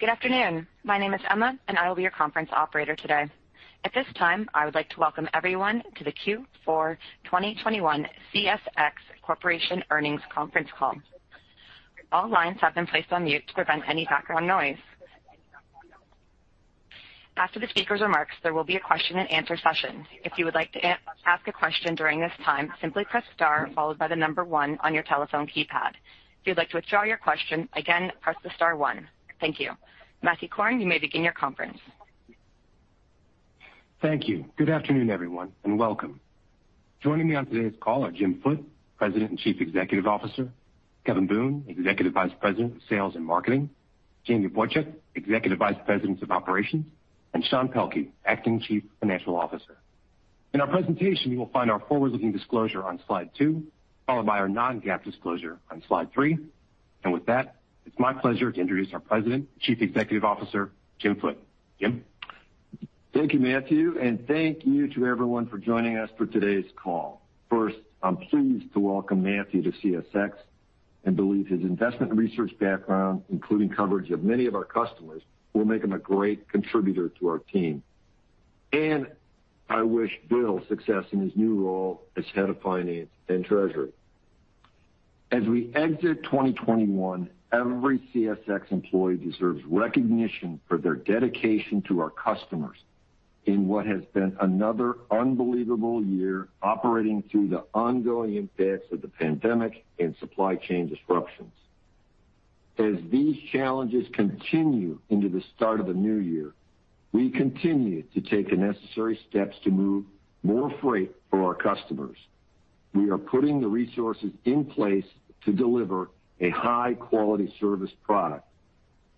Good afternoon. My name is Emma, and I will be your conference operator today. At this time, I would like to welcome everyone to the Q4 2021 CSX Corporation earnings conference call. All lines have been placed on mute to prevent any background noise. After the speaker's remarks, there will be a question-and-answer session. If you would like to ask a question during this time, simply press star followed by the number one on your telephone keypad. If you'd like to withdraw your question, again, press the star one. Thank you. Matthew Korn, you may begin your conference. Thank you. Good afternoon, everyone, and welcome. Joining me on today's call are Jim Foote, President and Chief Executive Officer, Kevin Boone, Executive Vice President of Sales and Marketing, Jamie Boychuk, Executive Vice President of Operations, and Sean Pelkey, Acting Chief Financial Officer. In our presentation, you will find our forward-looking disclosure on slide two, followed by our non-GAAP disclosure on slide three. With that, it's my pleasure to introduce our President and Chief Executive Officer, Jim Foote. Jim? Thank you, Matthew, and thank you to everyone for joining us for today's call. First, I'm pleased to welcome Matthew to CSX and believe his investment and research background, including coverage of many of our customers, will make him a great contributor to our team. I wish Bill success in his new role as Head of Finance and Treasury. As we exit 2021, every CSX employee deserves recognition for their dedication to our customers in what has been another unbelievable year operating through the ongoing impacts of the pandemic and supply chain disruptions. As these challenges continue into the start of the new year, we continue to take the necessary steps to move more freight for our customers. We are putting the resources in place to deliver a high-quality service product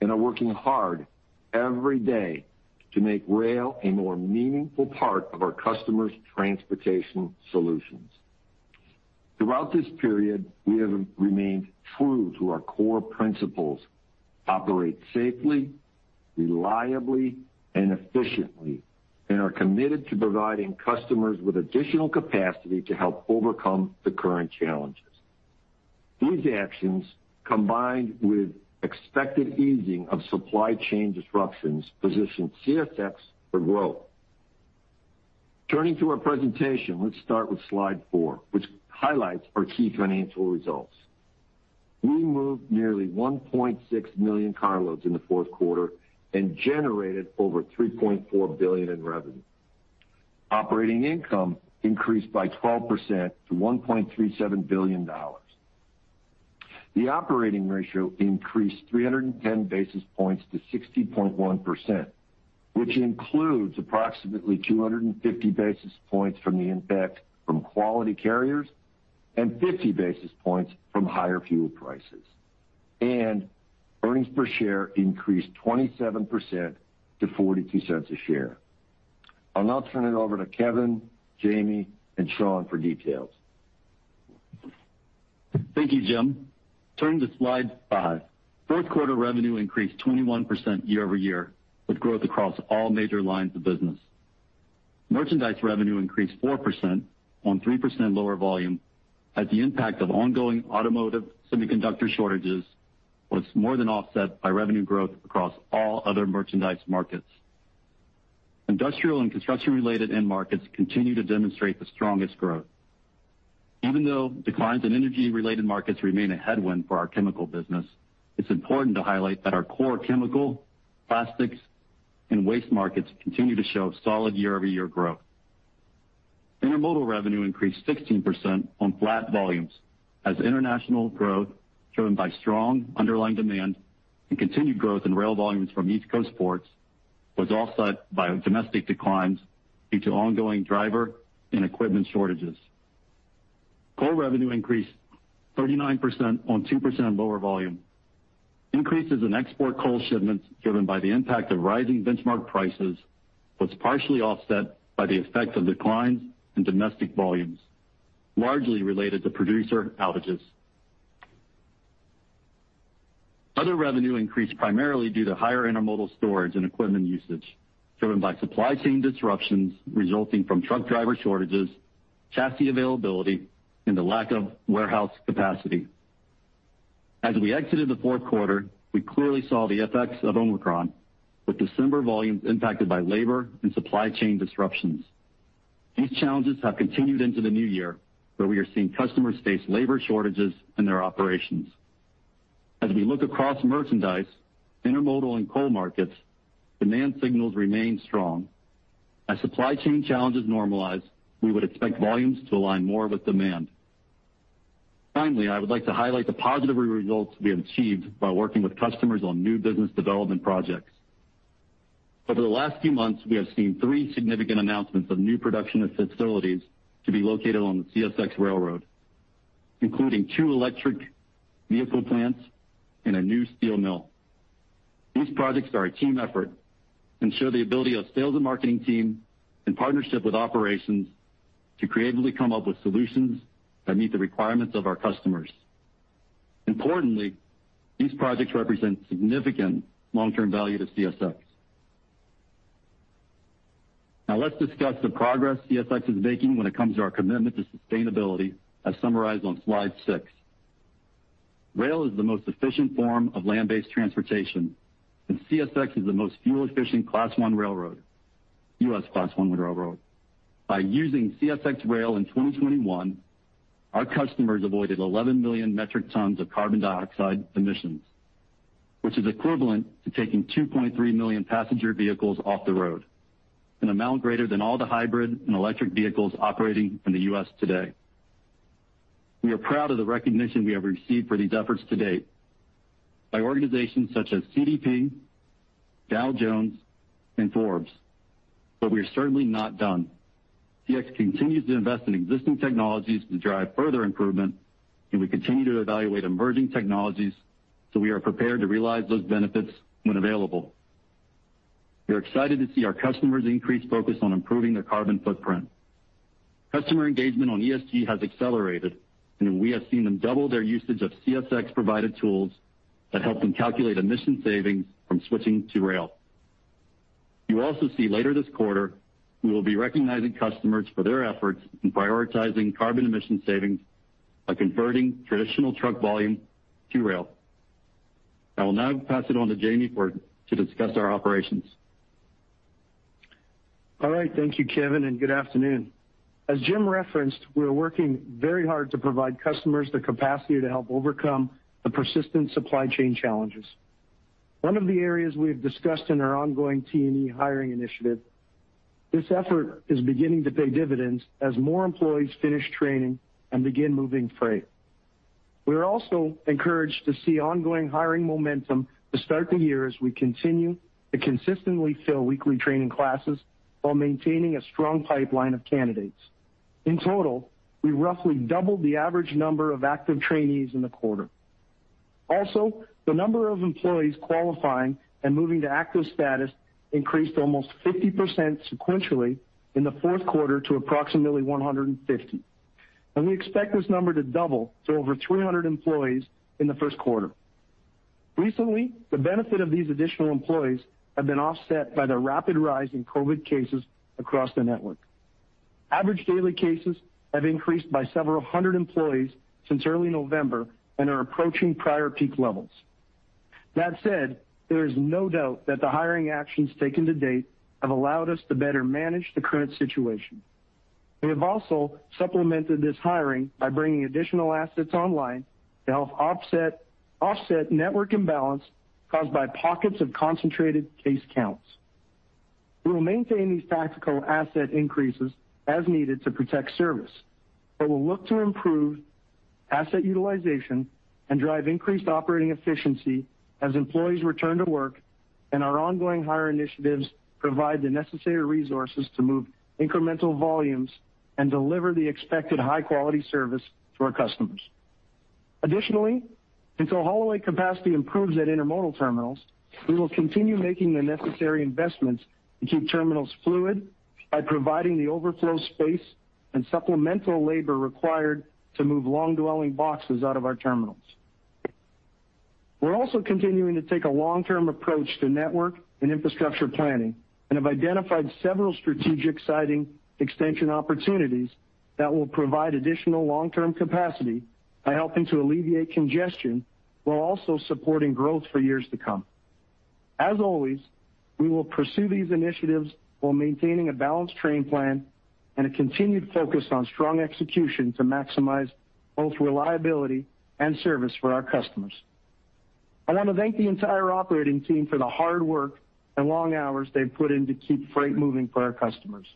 and are working hard every day to make rail a more meaningful part of our customers' transportation solutions. Throughout this period, we have remained true to our core principles, operate safely, reliably, and efficiently, and are committed to providing customers with additional capacity to help overcome the current challenges. These actions, combined with expected easing of supply chain disruptions, position CSX for growth. Turning to our presentation, let's start with slide four, which highlights our key financial results. We moved nearly 1.6 million carloads in the fourth quarter and generated over $3.4 billion in revenue. Operating income increased by 12% to $1.37 billion. The operating ratio increased 310 basis points to 60.1%, which includes approximately 250 basis points from the impact from Quality Carriers and 50 basis points from higher fuel prices. Earnings per share increased 27% to $0.42 a share. I'll now turn it over to Kevin, Jamie, and Sean for details. Thank you, Jim. Turning to slide five. Fourth quarter revenue increased 21% year-over-year, with growth across all major lines of business. Merchandise revenue increased 4% on 3% lower volume as the impact of ongoing automotive semiconductor shortages was more than offset by revenue growth across all other merchandise markets. Industrial and construction-related end markets continue to demonstrate the strongest growth. Even though declines in energy-related markets remain a headwind for our chemical business, it's important to highlight that our core chemical, plastics, and waste markets continue to show solid year-over-year growth. Intermodal revenue increased 16% on flat volumes as international growth, driven by strong underlying demand and continued growth in rail volumes from East Coast ports, was offset by domestic declines due to ongoing driver and equipment shortages. Coal revenue increased 39% on 2% lower volume. Increases in export coal shipments driven by the impact of rising benchmark prices was partially offset by the effect of declines in domestic volumes, largely related to producer outages. Other revenue increased primarily due to higher intermodal storage and equipment usage, driven by supply chain disruptions resulting from truck driver shortages, chassis availability, and the lack of warehouse capacity. As we exited the fourth quarter, we clearly saw the effects of Omicron, with December volumes impacted by labor and supply chain disruptions. These challenges have continued into the new year, where we are seeing customers face labor shortages in their operations. As we look across merchandise, intermodal and coal markets, demand signals remain strong. As supply chain challenges normalize, we would expect volumes to align more with demand. Finally, I would like to highlight the positive results we have achieved by working with customers on new business development projects. Over the last few months, we have seen three significant announcements of new production facilities to be located on the CSX railroad, including two electric vehicle plants and a new steel mill. These projects are a team effort and show the ability of sales and marketing team in partnership with operations to creatively come up with solutions that meet the requirements of our customers. Importantly, these projects represent significant long-term value to CSX. Now let's discuss the progress CSX is making when it comes to our commitment to sustainability, as summarized on slide six. Rail is the most efficient form of land-based transportation, and CSX is the most fuel-efficient U.S. Class I railroad. By using CSX rail in 2021, our customers avoided 11 million metric tons of carbon dioxide emissions, which is equivalent to taking 2.3 million passenger vehicles off the road, an amount greater than all the hybrid and electric vehicles operating in the U.S. today. We are proud of the recognition we have received for these efforts to date by organizations such as CDP, Dow Jones, and Forbes, but we are certainly not done. CSX continues to invest in existing technologies to drive further improvement, and we continue to evaluate emerging technologies so we are prepared to realize those benefits when available. We are excited to see our customers' increased focus on improving their carbon footprint. Customer engagement on ESG has accelerated, and we have seen them double their usage of CSX-provided tools that help them calculate emission savings from switching to rail. You also see later this quarter, we will be recognizing customers for their efforts in prioritizing carbon emission savings by converting traditional truck volume to rail. I will now pass it on to Jamie Boychuk to discuss our operations. All right. Thank you, Kevin, and good afternoon. As Jim referenced, we are working very hard to provide customers the capacity to help overcome the persistent supply chain challenges. One of the areas we have discussed in our ongoing T&E hiring initiative. This effort is beginning to pay dividends as more employees finish training and begin moving freight. We are also encouraged to see ongoing hiring momentum to start the year as we continue to consistently fill weekly training classes while maintaining a strong pipeline of candidates. In total, we roughly doubled the average number of active trainees in the quarter. Also, the number of employees qualifying and moving to active status increased almost 50% sequentially in the fourth quarter to approximately 150. We expect this number to double to over 300 employees in the first quarter. Recently, the benefit of these additional employees have been offset by the rapid rise in COVID cases across the network. Average daily cases have increased by several hundred employees since early November and are approaching prior peak levels. That said, there is no doubt that the hiring actions taken to date have allowed us to better manage the current situation. We have also supplemented this hiring by bringing additional assets online to help offset network imbalance caused by pockets of concentrated case counts. We will maintain these tactical asset increases as needed to protect service, but we'll look to improve asset utilization and drive increased operating efficiency as employees return to work and our ongoing hire initiatives provide the necessary resources to move incremental volumes and deliver the expected high-quality service to our customers. Additionally, until dray capacity improves at intermodal terminals, we will continue making the necessary investments to keep terminals fluid by providing the overflow space and supplemental labor required to move long-dwelling boxes out of our terminals. We're also continuing to take a long-term approach to network and infrastructure planning and have identified several strategic siting extension opportunities that will provide additional long-term capacity by helping to alleviate congestion while also supporting growth for years to come. As always, we will pursue these initiatives while maintaining a balanced train plan and a continued focus on strong execution to maximize both reliability and service for our customers. I want to thank the entire operating team for the hard work and long hours they've put in to keep freight moving for our customers.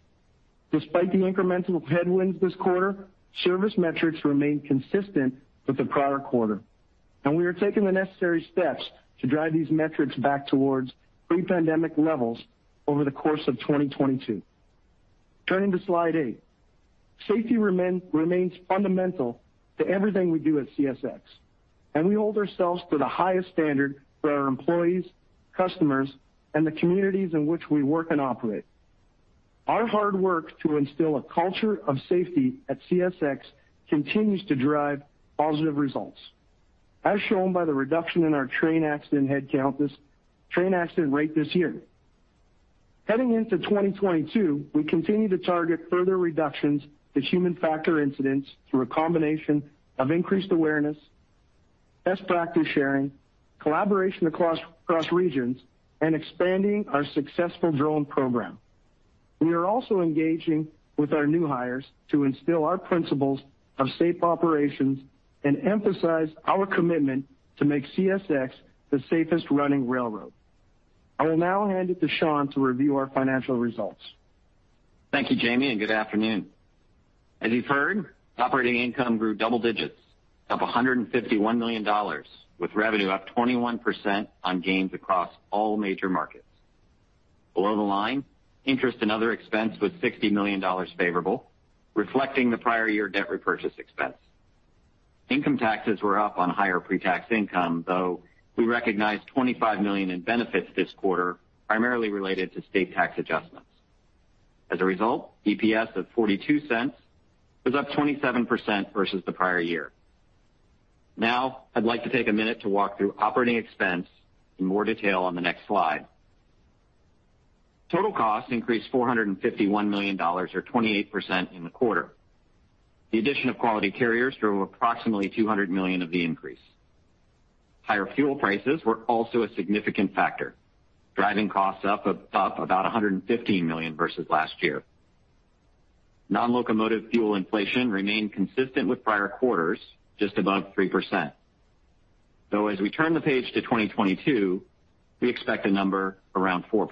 Despite the incremental headwinds this quarter, service metrics remain consistent with the prior quarter, and we are taking the necessary steps to drive these metrics back towards pre-pandemic levels over the course of 2022. Turning to slide eight. Safety remains fundamental to everything we do at CSX, and we hold ourselves to the highest standard for our employees, customers, and the communities in which we work and operate. Our hard work to instill a culture of safety at CSX continues to drive positive results, as shown by the reduction in our train accident rate this year. Heading into 2022, we continue to target further reductions to human factor incidents through a combination of increased awareness, best practice sharing, collaboration across regions, and expanding our successful drone program. We are also engaging with our new hires to instill our principles of safe operations and emphasize our commitment to make CSX the safest running railroad. I will now hand it to Sean to review our financial results. Thank you, Jamie, and good afternoon. As you've heard, operating income grew double digits, up $151 million, with revenue up 21% on gains across all major markets. Below the line, interest and other expense was $60 million favorable, reflecting the prior year debt repurchase expense. Income taxes were up on higher pre-tax income, though we recognized $25 million in benefits this quarter, primarily related to state tax adjustments. As a result, EPS of $0.42 was up 27% versus the prior year. Now I'd like to take a minute to walk through operating expense in more detail on the next slide. Total costs increased $451 million or 28% in the quarter. The addition of Quality Carriers drove approximately $200 million of the increase. Higher fuel prices were also a significant factor, driving costs up about $150 million versus last year. Non-locomotive fuel inflation remained consistent with prior quarters, just above 3%. Though as we turn the page to 2022, we expect a number around 4%.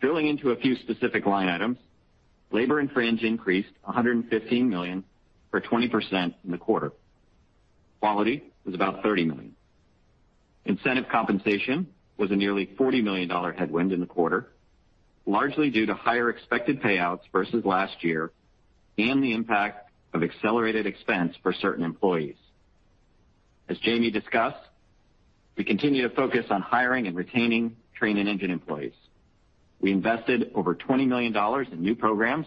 Drilling into a few specific line items, labor and fringe increased $115 million or 20% in the quarter. Quality was about $30 million. Incentive compensation was a nearly $40 million headwind in the quarter, largely due to higher expected payouts versus last year and the impact of accelerated expense for certain employees. As Jamie discussed, we continue to focus on hiring and retaining train and engine employees. We invested over $20 million in new programs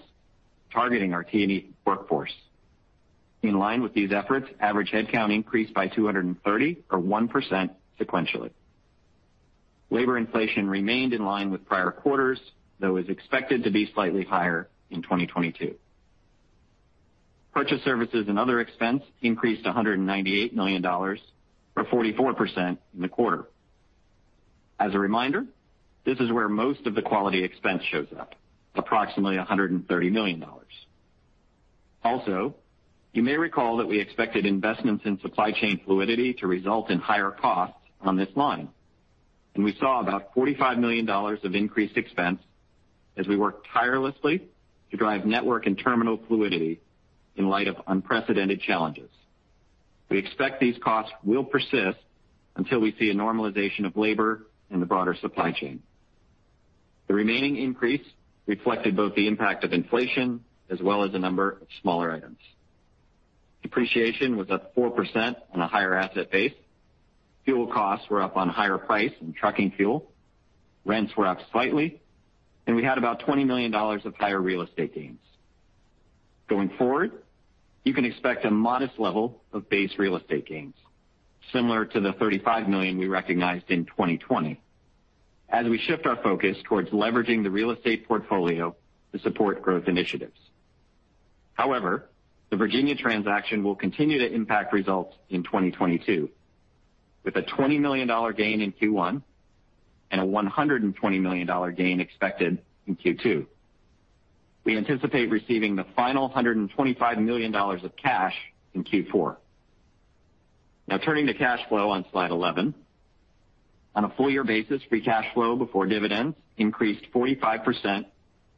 targeting our T&E workforce. In line with these efforts, average headcount increased by 230 or 1% sequentially. Labor inflation remained in line with prior quarters, though is expected to be slightly higher in 2022. Purchased services and other expenses increased $198 million or 44% in the quarter. As a reminder, this is where most of the Quality expense shows up, approximately $130 million. Also, you may recall that we expected investments in supply chain fluidity to result in higher costs on this line, and we saw about $45 million of increased expense as we worked tirelessly to drive network and terminal fluidity in light of unprecedented challenges. We expect these costs will persist until we see a normalization of labor in the broader supply chain. The remaining increase reflected both the impact of inflation as well as a number of smaller items. Depreciation was up 4% on a higher asset base. Fuel costs were up on higher price in trucking fuel. Rents were up slightly, and we had about $20 million of higher real estate gains. Going forward, you can expect a modest level of base real estate gains, similar to the $35 million we recognized in 2020 as we shift our focus towards leveraging the real estate portfolio to support growth initiatives. However, the Virginia transaction will continue to impact results in 2022, with a $20 million gain in Q1 and a $120 million gain expected in Q2. We anticipate receiving the final $125 million of cash in Q4. Now turning to cash flow on slide 11. On a full-year basis, free cash flow before dividends increased 45%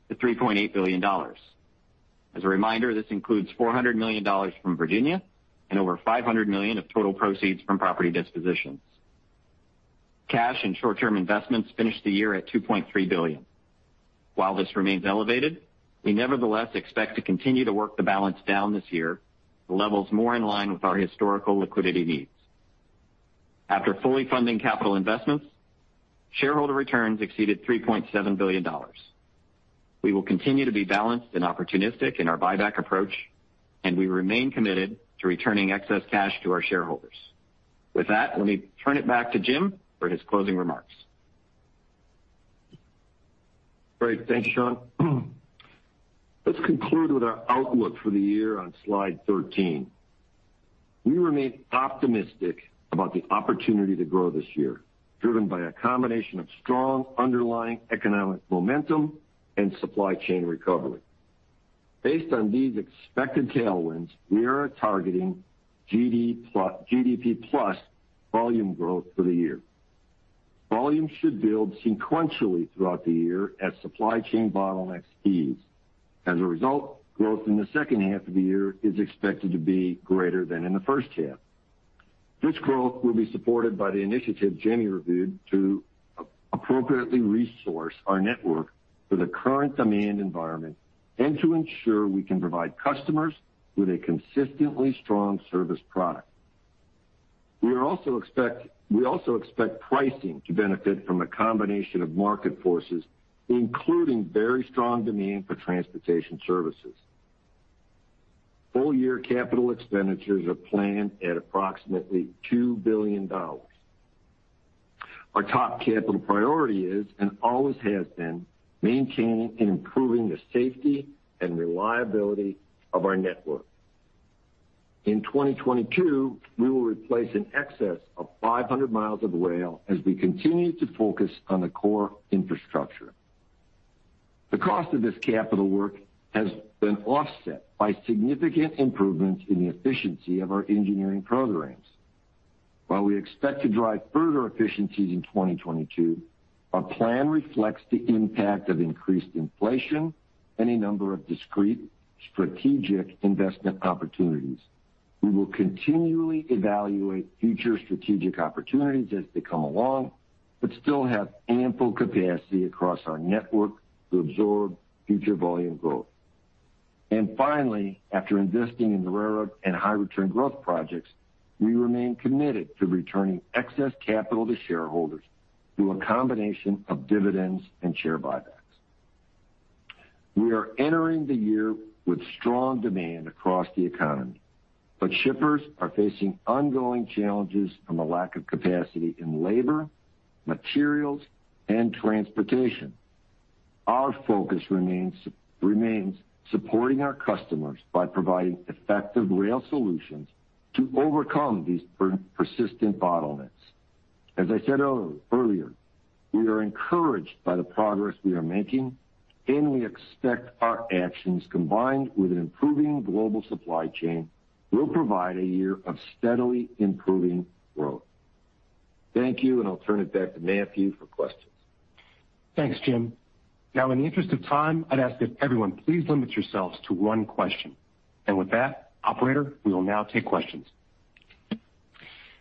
to $3.8 billion. As a reminder, this includes $400 million from Virginia and over $500 million of total proceeds from property dispositions. Cash and short-term investments finished the year at $2.3 billion. While this remains elevated, we nevertheless expect to continue to work the balance down this year to levels more in line with our historical liquidity needs. After fully funding capital investments, shareholder returns exceeded $3.7 billion. We will continue to be balanced and opportunistic in our buyback approach, and we remain committed to returning excess cash to our shareholders. With that, let me turn it back to Jim for his closing remarks. Great. Thank you, Sean. Let's conclude with our outlook for the year on slide 13. We remain optimistic about the opportunity to grow this year, driven by a combination of strong underlying economic momentum and supply chain recovery. Based on these expected tailwinds, we are targeting GDP+ volume growth for the year. Volume should build sequentially throughout the year as supply chain bottlenecks ease. As a result, growth in the second half of the year is expected to be greater than in the first half. This growth will be supported by the initiative Jamie reviewed to appropriately resource our network for the current demand environment and to ensure we can provide customers with a consistently strong service product. We also expect pricing to benefit from a combination of market forces, including very strong demand for transportation services. Full-year capital expenditures are planned at approximately $2 billion. Our top capital priority is, and always has been, maintaining and improving the safety and reliability of our network. In 2022, we will replace an excess of 500 mi of rail as we continue to focus on the core infrastructure. The cost of this capital work has been offset by significant improvements in the efficiency of our engineering programs. While we expect to drive further efficiencies in 2022, our plan reflects the impact of increased inflation and a number of discrete strategic investment opportunities. We will continually evaluate future strategic opportunities as they come along, but still have ample capacity across our network to absorb future volume growth. Finally, after investing in the railroad and high return growth projects, we remain committed to returning excess capital to shareholders through a combination of dividends and share buyback. We are entering the year with strong demand across the economy, but shippers are facing ongoing challenges from a lack of capacity in labor, materials, and transportation. Our focus remains supporting our customers by providing effective rail solutions to overcome these persistent bottlenecks. As I said earlier, we are encouraged by the progress we are making, and we expect our actions, combined with an improving global supply chain, will provide a year of steadily improving growth. Thank you, and I'll turn it back to Matthew for questions. Thanks, Jim. Now, in the interest of time, I'd ask if everyone please limit yourselves to one question. With that, operator, we will now take questions.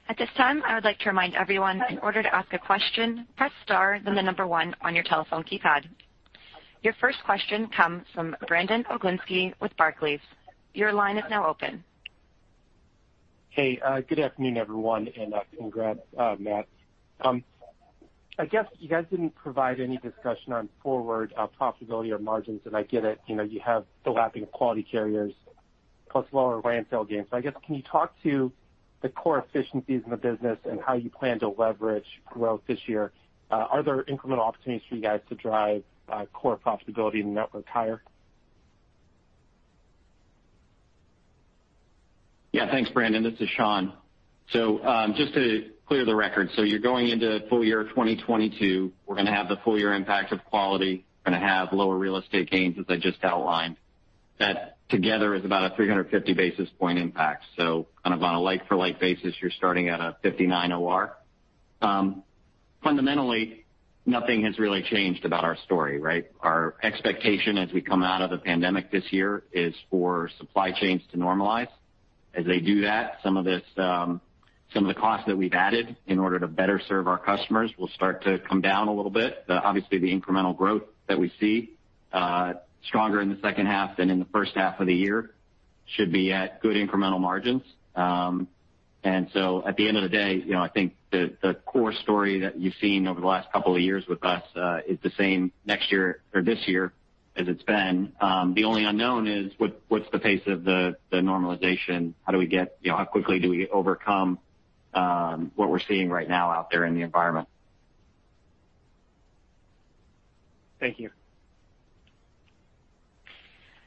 At this time, I would like to remind everyone, in order to ask a question, press star then the number one on your telephone keypad. Your first question comes from Brandon Oglenski with Barclays. Your line is now open. Hey, good afternoon, everyone, and congrats, Matt. I guess you guys didn't provide any discussion on forward profitability or margins, and I get it. You know, you have the lapping of Quality Carriers plus lower land sale gains. I guess, can you talk to the core efficiencies in the business and how you plan to leverage growth this year? Are there incremental opportunities for you guys to drive core profitability in the network higher? Yeah, thanks, Brandon. This is Sean. Just to clear the record, you're going into full year 2022. We're gonna have the full year impact of Quality, gonna have lower real estate gains, as I just outlined. That together is about a 350 basis point impact. Kind of on a like-for-like basis, you're starting at a 59 OR. Fundamentally, nothing has really changed about our story, right? Our expectation as we come out of the pandemic this year is for supply chains to normalize. As they do that, some of the cost that we've added in order to better serve our customers will start to come down a little bit. Obviously, the incremental growth that we see, stronger in the second half than in the first half of the year, should be at good incremental margins. At the end of the day, you know, I think the core story that you've seen over the last couple of years with us is the same next year or this year as it's been. The only unknown is what's the pace of the normalization? How do we get, you know, how quickly do we overcome what we're seeing right now out there in the environment? Thank you.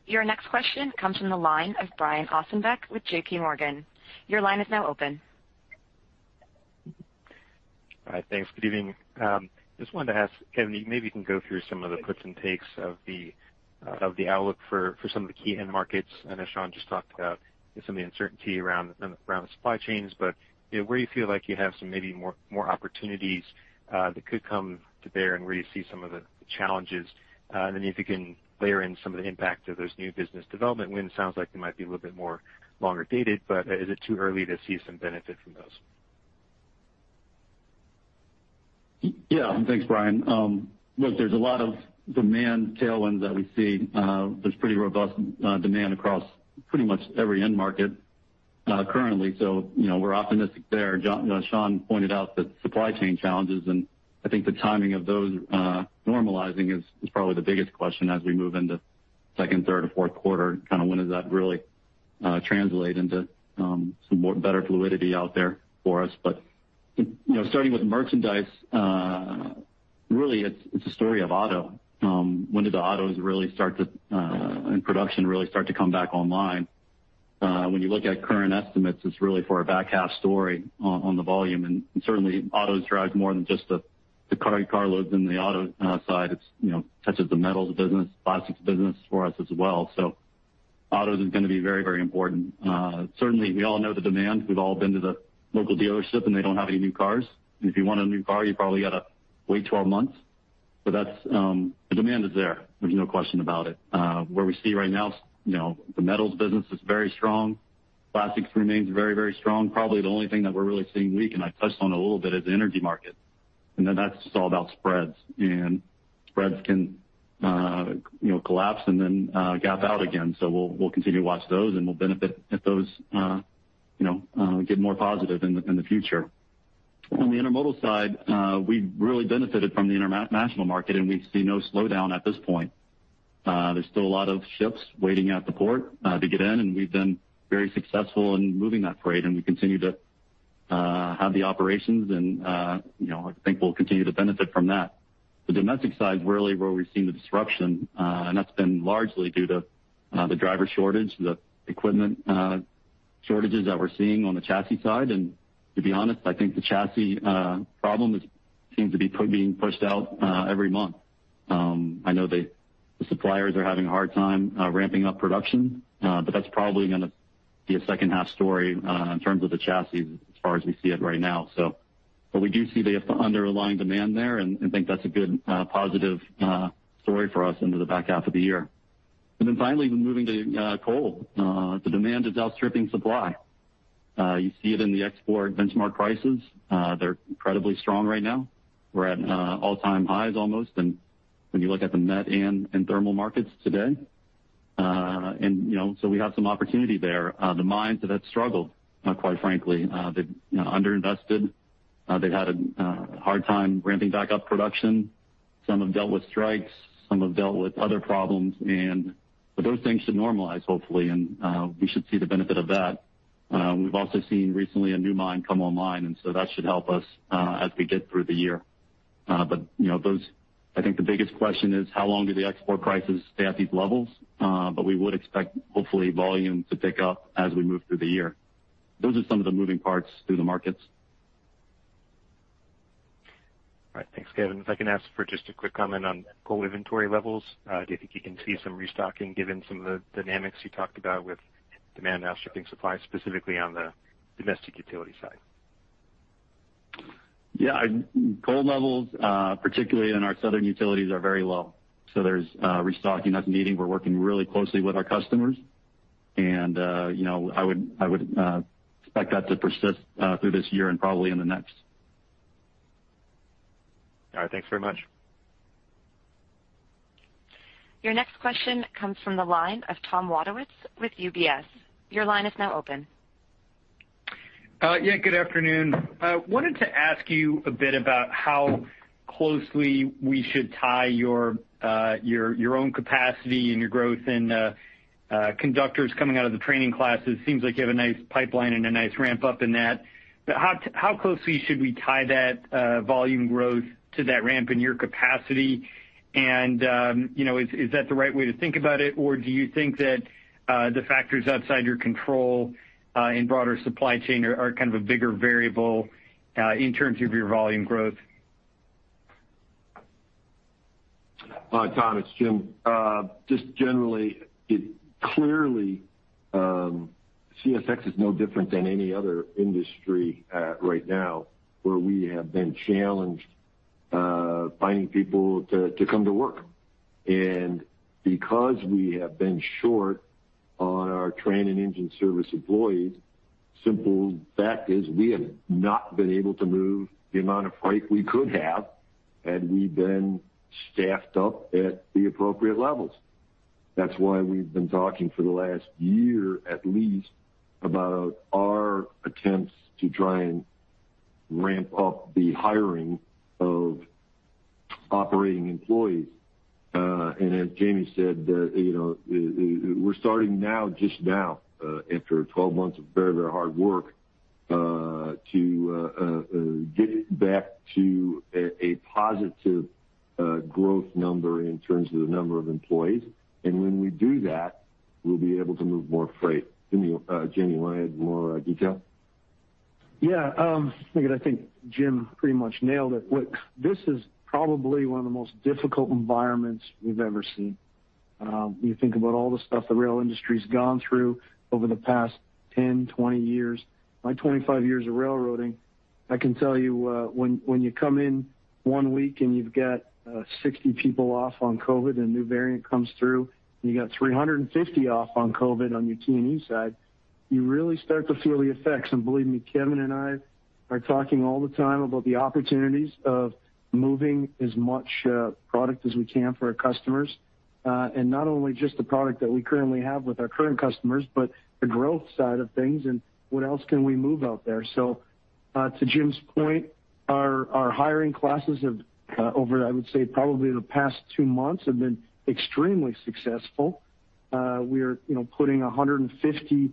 Your next question comes from the line of Brian Ossenbeck with JPMorgan. Your line is now open. All right. Thanks. Good evening. Just wanted to ask, Kevin, maybe you can go through some of the puts and takes of the outlook for some of the key end markets. I know Sean just talked about some of the uncertainty around the supply chains. You know, where do you feel like you have some maybe more opportunities that could come to bear and where you see some of the challenges? And then if you can layer in some of the impact of those new business development wins, sounds like they might be a little bit more longer dated, but is it too early to see some benefit from those? Yeah. Thanks, Brian. Look, there's a lot of demand tailwinds that we see. There's pretty robust demand across pretty much every end market currently, so you know, we're optimistic there. Sean pointed out the supply chain challenges, and I think the timing of those normalizing is probably the biggest question as we move into second, third, or fourth quarter, kinda when does that really translate into some more better fluidity out there for us. You know, starting with merchandise, really it's a story of auto. When do the autos and production really start to come back online? When you look at current estimates, it's really for a back half story on the volume. Certainly, autos drives more than just the carloads in the auto side. It touches the metals business, plastics business for us as well. Autos is gonna be very, very important. Certainly, we all know the demand. We've all been to the local dealership, and they don't have any new cars. If you want a new car, you probably gotta wait 12 months. That's the demand is there. There's no question about it. Where we see right now, you know, the metals business is very strong. Plastics remains very, very strong. Probably the only thing that we're really seeing weak, and I touched on a little bit, is the energy market, and that's just all about spreads. Spreads can, you know, collapse and then gap out again. We'll continue to watch those, and we'll benefit if those get more positive in the future. On the intermodal side, we really benefited from the international market, and we see no slowdown at this point. There's still a lot of ships waiting at the port to get in, and we've been very successful in moving that freight, and we continue to have the operations and, you know, I think we'll continue to benefit from that. The domestic side is really where we've seen the disruption, and that's been largely due to the driver shortage, the equipment shortages that we're seeing on the chassis side. To be honest, I think the chassis problem seems to be being pushed out every month. I know the suppliers are having a hard time ramping up production, but that's probably gonna be a second half story in terms of the chassis as far as we see it right now. We do see the underlying demand there and think that's a good positive story for us into the back half of the year. Finally, moving to coal. The demand is outstripping supply. You see it in the export benchmark prices. They're incredibly strong right now. We're at all-time highs almost. When you look at the met and thermal markets today You know, we have some opportunity there. The mines have had struggled, quite frankly. They've, you know, underinvested. They've had a hard time ramping back up production. Some have dealt with strikes, some have dealt with other problems, but those things should normalize, hopefully, and we should see the benefit of that. We've also seen recently a new mine come online, and that should help us as we get through the year. You know, those I think the biggest question is how long do the export prices stay at these levels? We would expect hopefully volume to pick up as we move through the year. Those are some of the moving parts through the markets. All right. Thanks, Kevin. If I can ask for just a quick comment on coal inventory levels. Do you think you can see some restocking given some of the dynamics you talked about with demand outstripping supply, specifically on the domestic utility side? Yeah. Coal levels, particularly in our southern utilities, are very low, so there's restocking that's needing. We're working really closely with our customers, and you know, I would expect that to persist through this year and probably in the next. All right. Thanks very much. Your next question comes from the line of Tom Wadewitz with UBS. Your line is now open. Good afternoon. I wanted to ask you a bit about how closely we should tie your own capacity and your growth in conductors coming out of the training classes. Seems like you have a nice pipeline and a nice ramp-up in that. How closely should we tie that volume growth to that ramp in your capacity? You know, is that the right way to think about it? Or do you think that the factors outside your control and broader supply chain are kind of a bigger variable in terms of your volume growth? Tom, it's Jim. Just generally, it clearly, CSX is no different than any other industry right now, where we have been challenged finding people to come to work. Because we have been short on ours train and engine service employees, simple fact is we have not been able to move the amount of freight we could have had we been staffed up at the appropriate levels. That's why we've been talking for the last year, at least, about our attempts to try and ramp up the hiring of operating employees. As Jamie said, you know, we're starting now, just now, after 12 months of very hard work, to get back to a positive growth number in terms of the number of employees. when we do that, we'll be able to move more freight. Jamie, you want to add more detail? Yeah. Look, I think Jim pretty much nailed it. Look, this is probably one of the most difficult environments we've ever seen. You think about all the stuff the rail industry's gone through over the past 10, 20 years. My 25 years of railroading, I can tell you, when you come in one week and you've got 60 people off on COVID, a new variant comes through, and you got 350 off on COVID on your T&E side, you really start to feel the effects. Believe me, Kevin and I are talking all the time about the opportunities of moving as much product as we can for our customers. Not only just the product that we currently have with our current customers, but the growth side of things and what else can we move out there. To Jim's point, our hiring classes over the past two months have been extremely successful, I would say, probably. We're, you know, putting 150+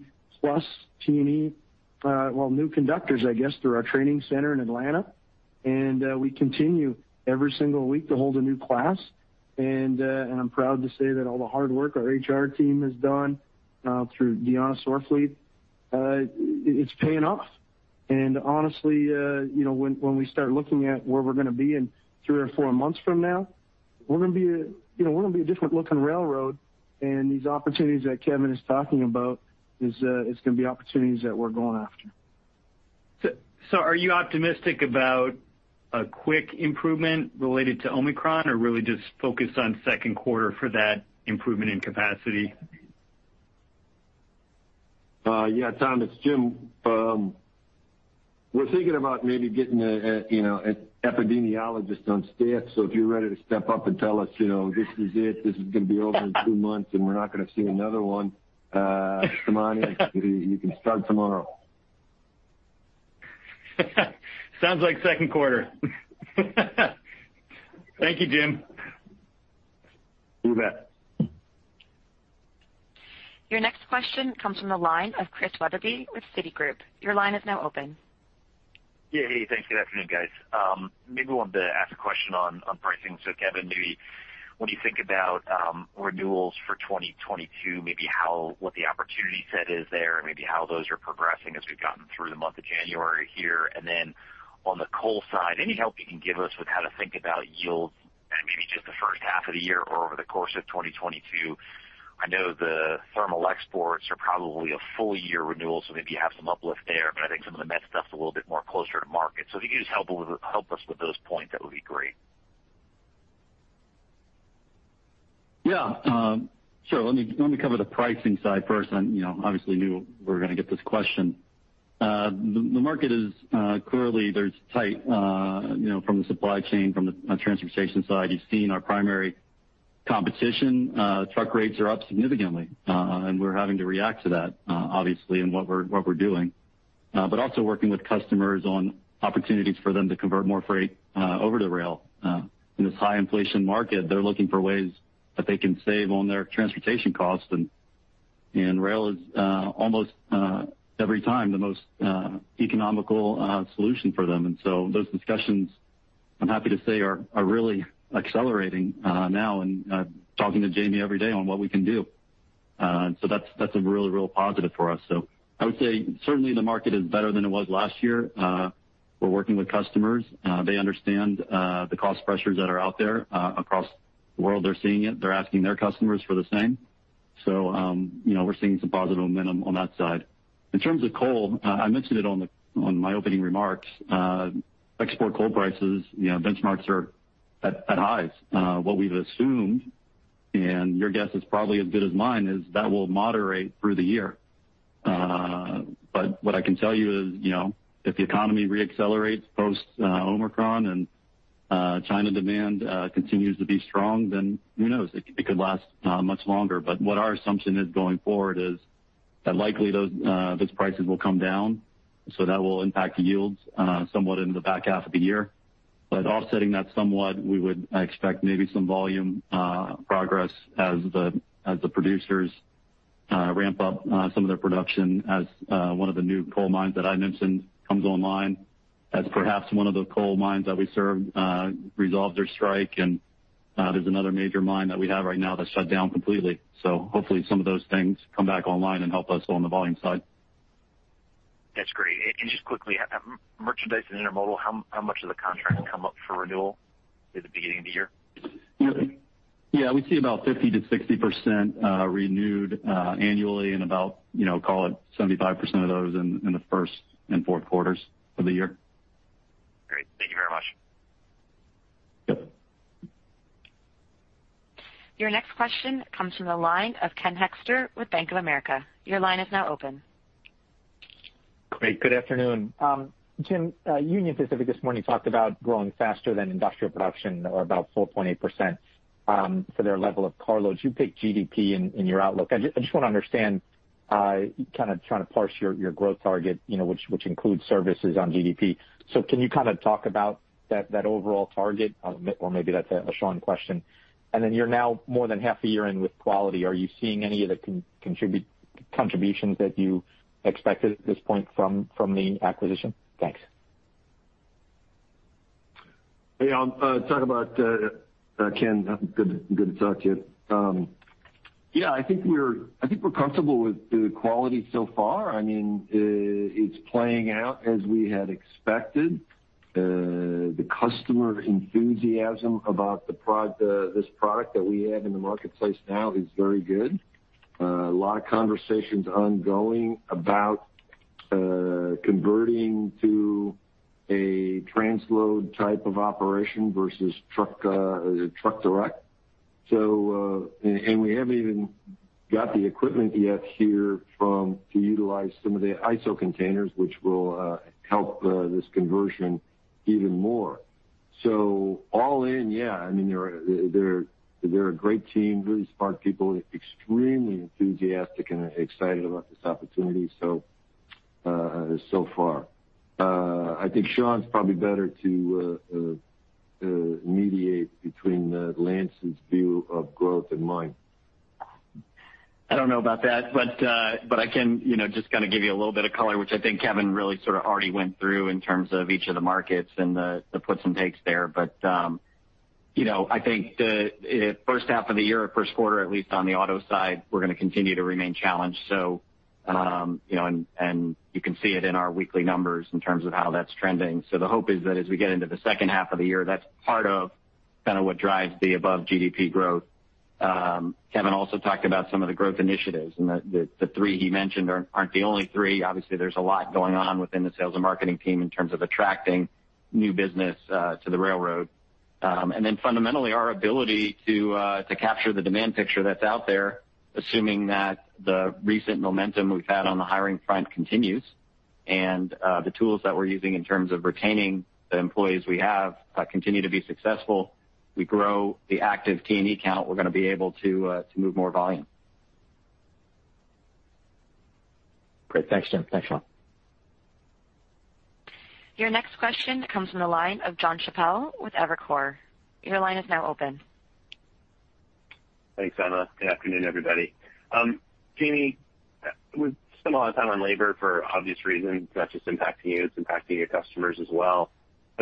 T&E, well, new conductors, I guess, through our training center in Atlanta. We continue every single week to hold a new class. I'm proud to say that all the hard work our HR team has done through Diana Sorfleet, it's paying off. Honestly, you know, when we start looking at where we're gonna be in three or four months from now, we're gonna be, you know, a different looking railroad. These opportunities that Kevin is talking about is gonna be opportunities that we're going after. Are you optimistic about a quick improvement related to Omicron or really just focused on second quarter for that improvement in capacity? Yeah, Tom, it's Jim. We're thinking about maybe getting a, you know, an epidemiologist on staff, so if you're ready to step up and tell us, you know, this is it, this is gonna be over in two months, and we're not gonna see another one, come on in. You can start tomorrow. Sounds like second quarter. Thank you, Jim. You bet. Your next question comes from the line of Christian Wetherbee with Citigroup. Your line is now open. Yeah. Hey, thanks. Good afternoon, guys. I maybe wanted to ask a question on pricing. Kevin, when you think about renewals for 2022, what the opportunity set is there and how those are progressing as we've gotten through the month of January here. Then on the coal side, any help you can give us with how to think about yields, maybe just the first half of the year or over the course of 2022? I know the thermal exports are probably a full year renewal, so maybe you have some uplift there, but I think some of the met stuff's a little bit more closer to market. If you could just help us with those points, that would be great. Yeah. Sure. Let me cover the pricing side first. You know, obviously knew we were gonna get this question. The market is clearly there's tight, you know, from the supply chain, from the transportation side. You've seen our primary competition, truck rates are up significantly, and we're having to react to that, obviously in what we're doing. Working with customers on opportunities for them to convert more freight over to rail. In this high inflation market, they're looking for ways that they can save on their transportation costs, and rail is almost every time the most economical solution for them. Those discussions, I'm happy to say, are really accelerating now and talking to Jamie every day on what we can do. That's a really real positive for us. I would say certainly the market is better than it was last year. We're working with customers. They understand the cost pressures that are out there across the world. They're seeing it. They're asking their customers for the same. You know, we're seeing some positive momentum on that side. In terms of coal, I mentioned it on my opening remarks. Export coal prices, you know, benchmarks are at highs. What we've assumed, and your guess is probably as good as mine, is that it will moderate through the year. But what I can tell you is, you know, if the economy reaccelerates post Omicron and China demand continues to be strong, then who knows? It could last much longer. What our assumption is going forward is that likely those prices will come down, so that will impact the yields somewhat in the back half of the year. Offsetting that somewhat, we would expect maybe some volume progress as the producers ramp up some of their production as one of the new coal mines that I mentioned comes online. Perhaps one of the coal mines that we serve resolve their strike. There's another major mine that we have right now that's shut down completely. Hopefully some of those things come back online and help us on the volume side. That's great. Just quickly, Merchandise and Intermodal, how much of the contract come up for renewal through the beginning of the year? Yeah, we see about 50%-60% renewed annually and about, you know, call it 75% of those in the first and fourth quarters of the year. Great. Thank you very much. Yep. Your next question comes from the line of Ken Hoexter with Bank of America. Your line is now open. Great. Good afternoon. Jim, Union Pacific this morning talked about growing faster than industrial production or about 4.8% for their level of carloads. You picked GDP in your outlook. I just want to understand, kind of trying to parse your growth target, you know, which includes services and GDP. Can you kind of talk about that overall target? Or maybe that's a Sean question. Then you're now more than half a year in with Quality. Are you seeing any of the contributions that you expected at this point from the acquisition? Thanks. Hey, I'll talk about Ken, good to talk to you. Yeah, I think we're comfortable with the Quality so far. I mean, it's playing out as we had expected. The customer enthusiasm about this product that we have in the marketplace now is very good. A lot of conversations ongoing about converting to a transload type of operation versus truck direct. And we haven't even got the equipment yet here to utilize some of the ISO containers which will help this conversion even more. All in, yeah, I mean, they're a great team, really smart people, extremely enthusiastic and excited about this opportunity so far. I think Sean's probably better to mediate between Lance's view of growth and mine. I don't know about that, but I can, you know, just kind of give you a little bit of color, which I think Kevin really sort of already went through in terms of each of the markets and the puts and takes there. You know, I think the first half of the year or first quarter, at least on the auto side, we're gonna continue to remain challenged. You know, and you can see it in our weekly numbers in terms of how that's trending. The hope is that as we get into the second half of the year, that's part of kind of what drives the above GDP growth. Kevin also talked about some of the growth initiatives, and the three he mentioned aren't the only three. Obviously, there's a lot going on within the sales and marketing team in terms of attracting new business to the railroad. Fundamentally, our ability to capture the demand picture that's out there, assuming that the recent momentum we've had on the hiring front continues, and the tools that we're using in terms of retaining the employees we have continue to be successful. We grow the active T&E count, we're gonna be able to move more volume. Great. Thanks, Jim. Thanks, Sean. Your next question comes from the line of Jonathan Chappell with Evercore. Your line is now open. Thanks, Emma. Good afternoon, everybody. Jamie, we've spent a lot of time on labor for obvious reasons. It's not just impacting you, it's impacting your customers as well.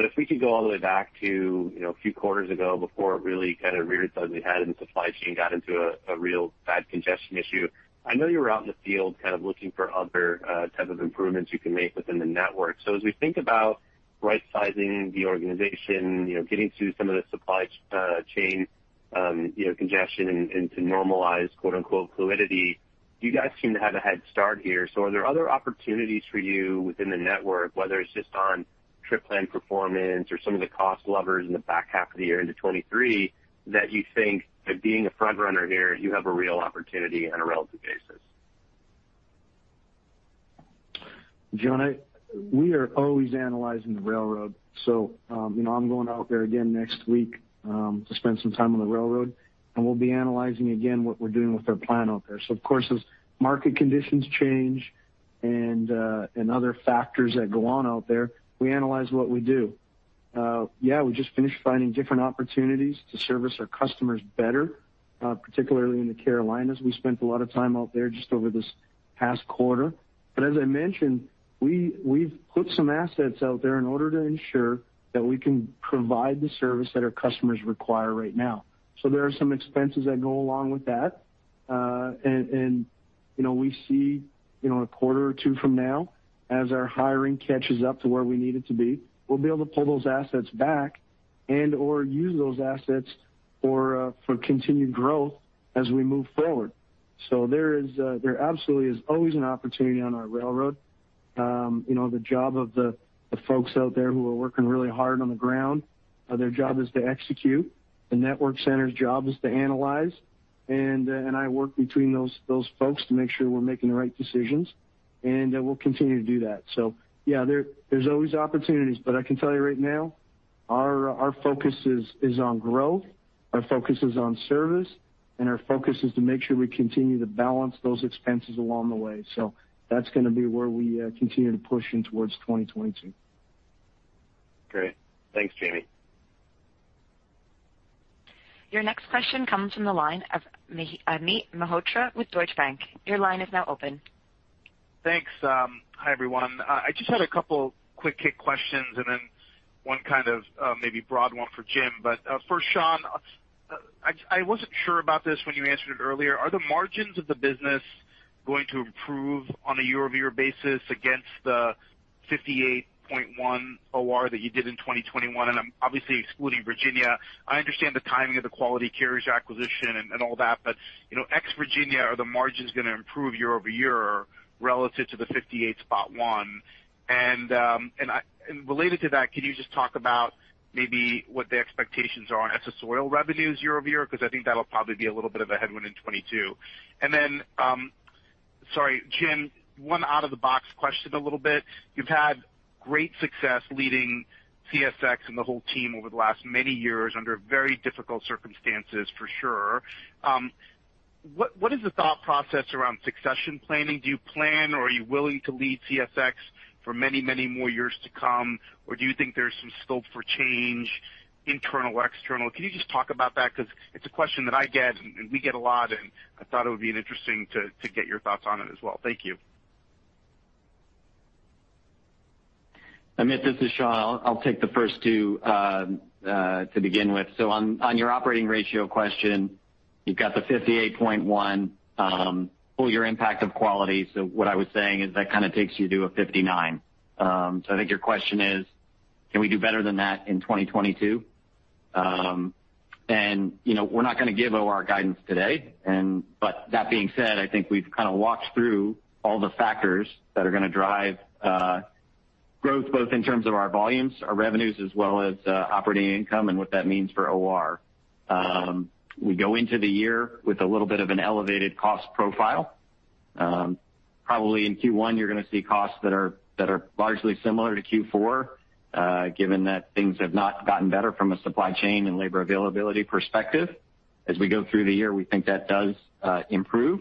If we could go all the way back to, you know, a few quarters ago before it really kind of reared its ugly head and supply chain got into a real bad congestion issue. I know you were out in the field kind of looking for other type of improvements you can make within the network. As we think about right sizing the organization, you know, getting to some of the supply chain congestion and to normalize, quote-unquote, fluidity, you guys seem to have a head start here. Are there other opportunities for you within the network, whether it's just on trip plan performance or some of the cost levers in the back half of the year into 2023 that you think that being a front runner here, you have a real opportunity on a relative basis? John, we are always analyzing the railroad. You know, I'm going out there again next week to spend some time on the railroad, and we'll be analyzing again what we're doing with our plan out there. Of course, as market conditions change and other factors that go on out there, we analyze what we do. Yeah, we just finished finding different opportunities to service our customers better, particularly in the Carolinas. We spent a lot of time out there just over this past quarter. As I mentioned, we've put some assets out there in order to ensure that we can provide the service that our customers require right now. There are some expenses that go along with that, and you know, we see you know a quarter or two from now as our hiring catches up to where we need it to be, we'll be able to pull those assets back and/or use those assets for continued growth as we move forward. There absolutely is always an opportunity on our railroad. You know, the job of the folks out there who are working really hard on the ground, their job is to execute. The network center's job is to analyze. I work between those folks to make sure we're making the right decisions, and we'll continue to do that. Yeah, there's always opportunities, but I can tell you right now, our focus is on growth, our focus is on service, and our focus is to make sure we continue to balance those expenses along the way. That's gonna be where we continue to push in towards 2022. Great. Thanks, Jamie. Your next question comes from the line of Amit Mehrotra with Deutsche Bank. Your line is now open. Thanks. Hi, everyone. I just had a couple quick hit questions and then one kind of maybe broad one for Jim. First, Sean, I wasn't sure about this when you answered it earlier. Are the margins of the business going to improve on a year-over-year basis against the 58.1 OR that you did in 2021? I'm obviously excluding Virginia. I understand the timing of the Quality Carriers acquisition and all that, but you know, ex Virginia, are the margins gonna improve year-over-year relative to the 58.1? And related to that, can you just talk about maybe what the expectations are on accessorial revenues year-over-year? 'Cause I think that'll probably be a little bit of a headwind in 2022. Sorry, Jim, one out-of-the-box question a little bit. You've had great success leading CSX and the whole team over the last many years under very difficult circumstances for sure. What is the thought process around succession planning? Do you plan or are you willing to lead CSX for many, many more years to come? Or do you think there's some scope for change, internal or external? Can you just talk about that? 'Cause it's a question that I get and we get a lot, and I thought it would be interesting to get your thoughts on it as well. Thank you. Amit, this is Sean. I'll take the first two to begin with. On your operating ratio question, you've got the 58.1 full year impact of Quality. What I was saying is that kinda takes you to a 59. I think your question is, can we do better than that in 2022? You know, we're not gonna give OR guidance today. But that being said, I think we've kinda walked through all the factors that are gonna drive growth, both in terms of our volumes, our revenues, as well as operating income and what that means for OR. We go into the year with a little bit of an elevated cost profile. Probably in Q1, you're gonna see costs that are largely similar to Q4, given that things have not gotten better from a supply chain and labor availability perspective. As we go through the year, we think that does improve.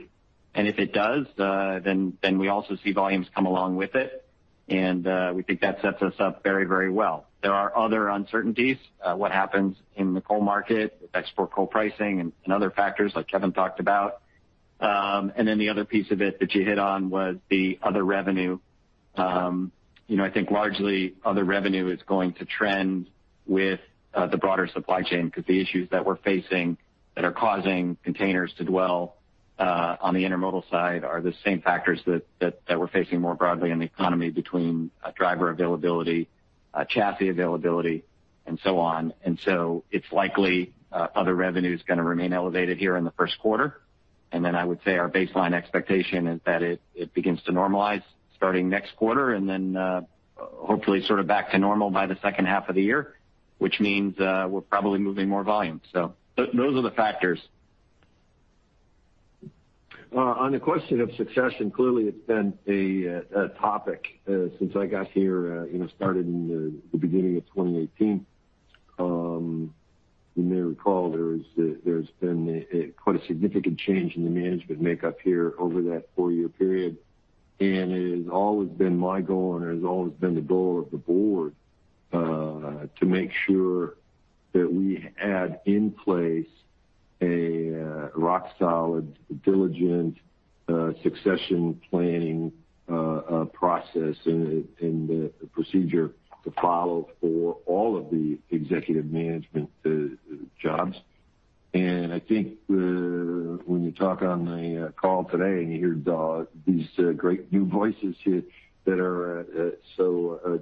If it does, then we also see volumes come along with it, and we think that sets us up very, very well. There are other uncertainties, what happens in the coal market with export coal pricing and other factors like Kevin talked about. The other piece of it that you hit on was the other revenue. You know, I think largely other revenue is going to trend with the broader supply chain 'cause the issues that we're facing that are causing containers to dwell on the intermodal side are the same factors that we're facing more broadly in the economy between driver availability, chassis availability, and so on. It's likely other revenue is gonna remain elevated here in the first quarter. I would say our baseline expectation is that it begins to normalize starting next quarter and then hopefully sort of back to normal by the second half of the year, which means we're probably moving more volume. Those are the factors. On the question of succession, clearly it's been a topic since I got here, you know, started in the beginning of 2018. You may recall there's been a quite significant change in the management makeup here over that four-year period. It has always been my goal, and it has always been the goal of the board to make sure that we had in place a rock solid, diligent succession planning process and a procedure to follow for all of the executive management jobs. I think when you talk on the call today and you hear these great new voices here that are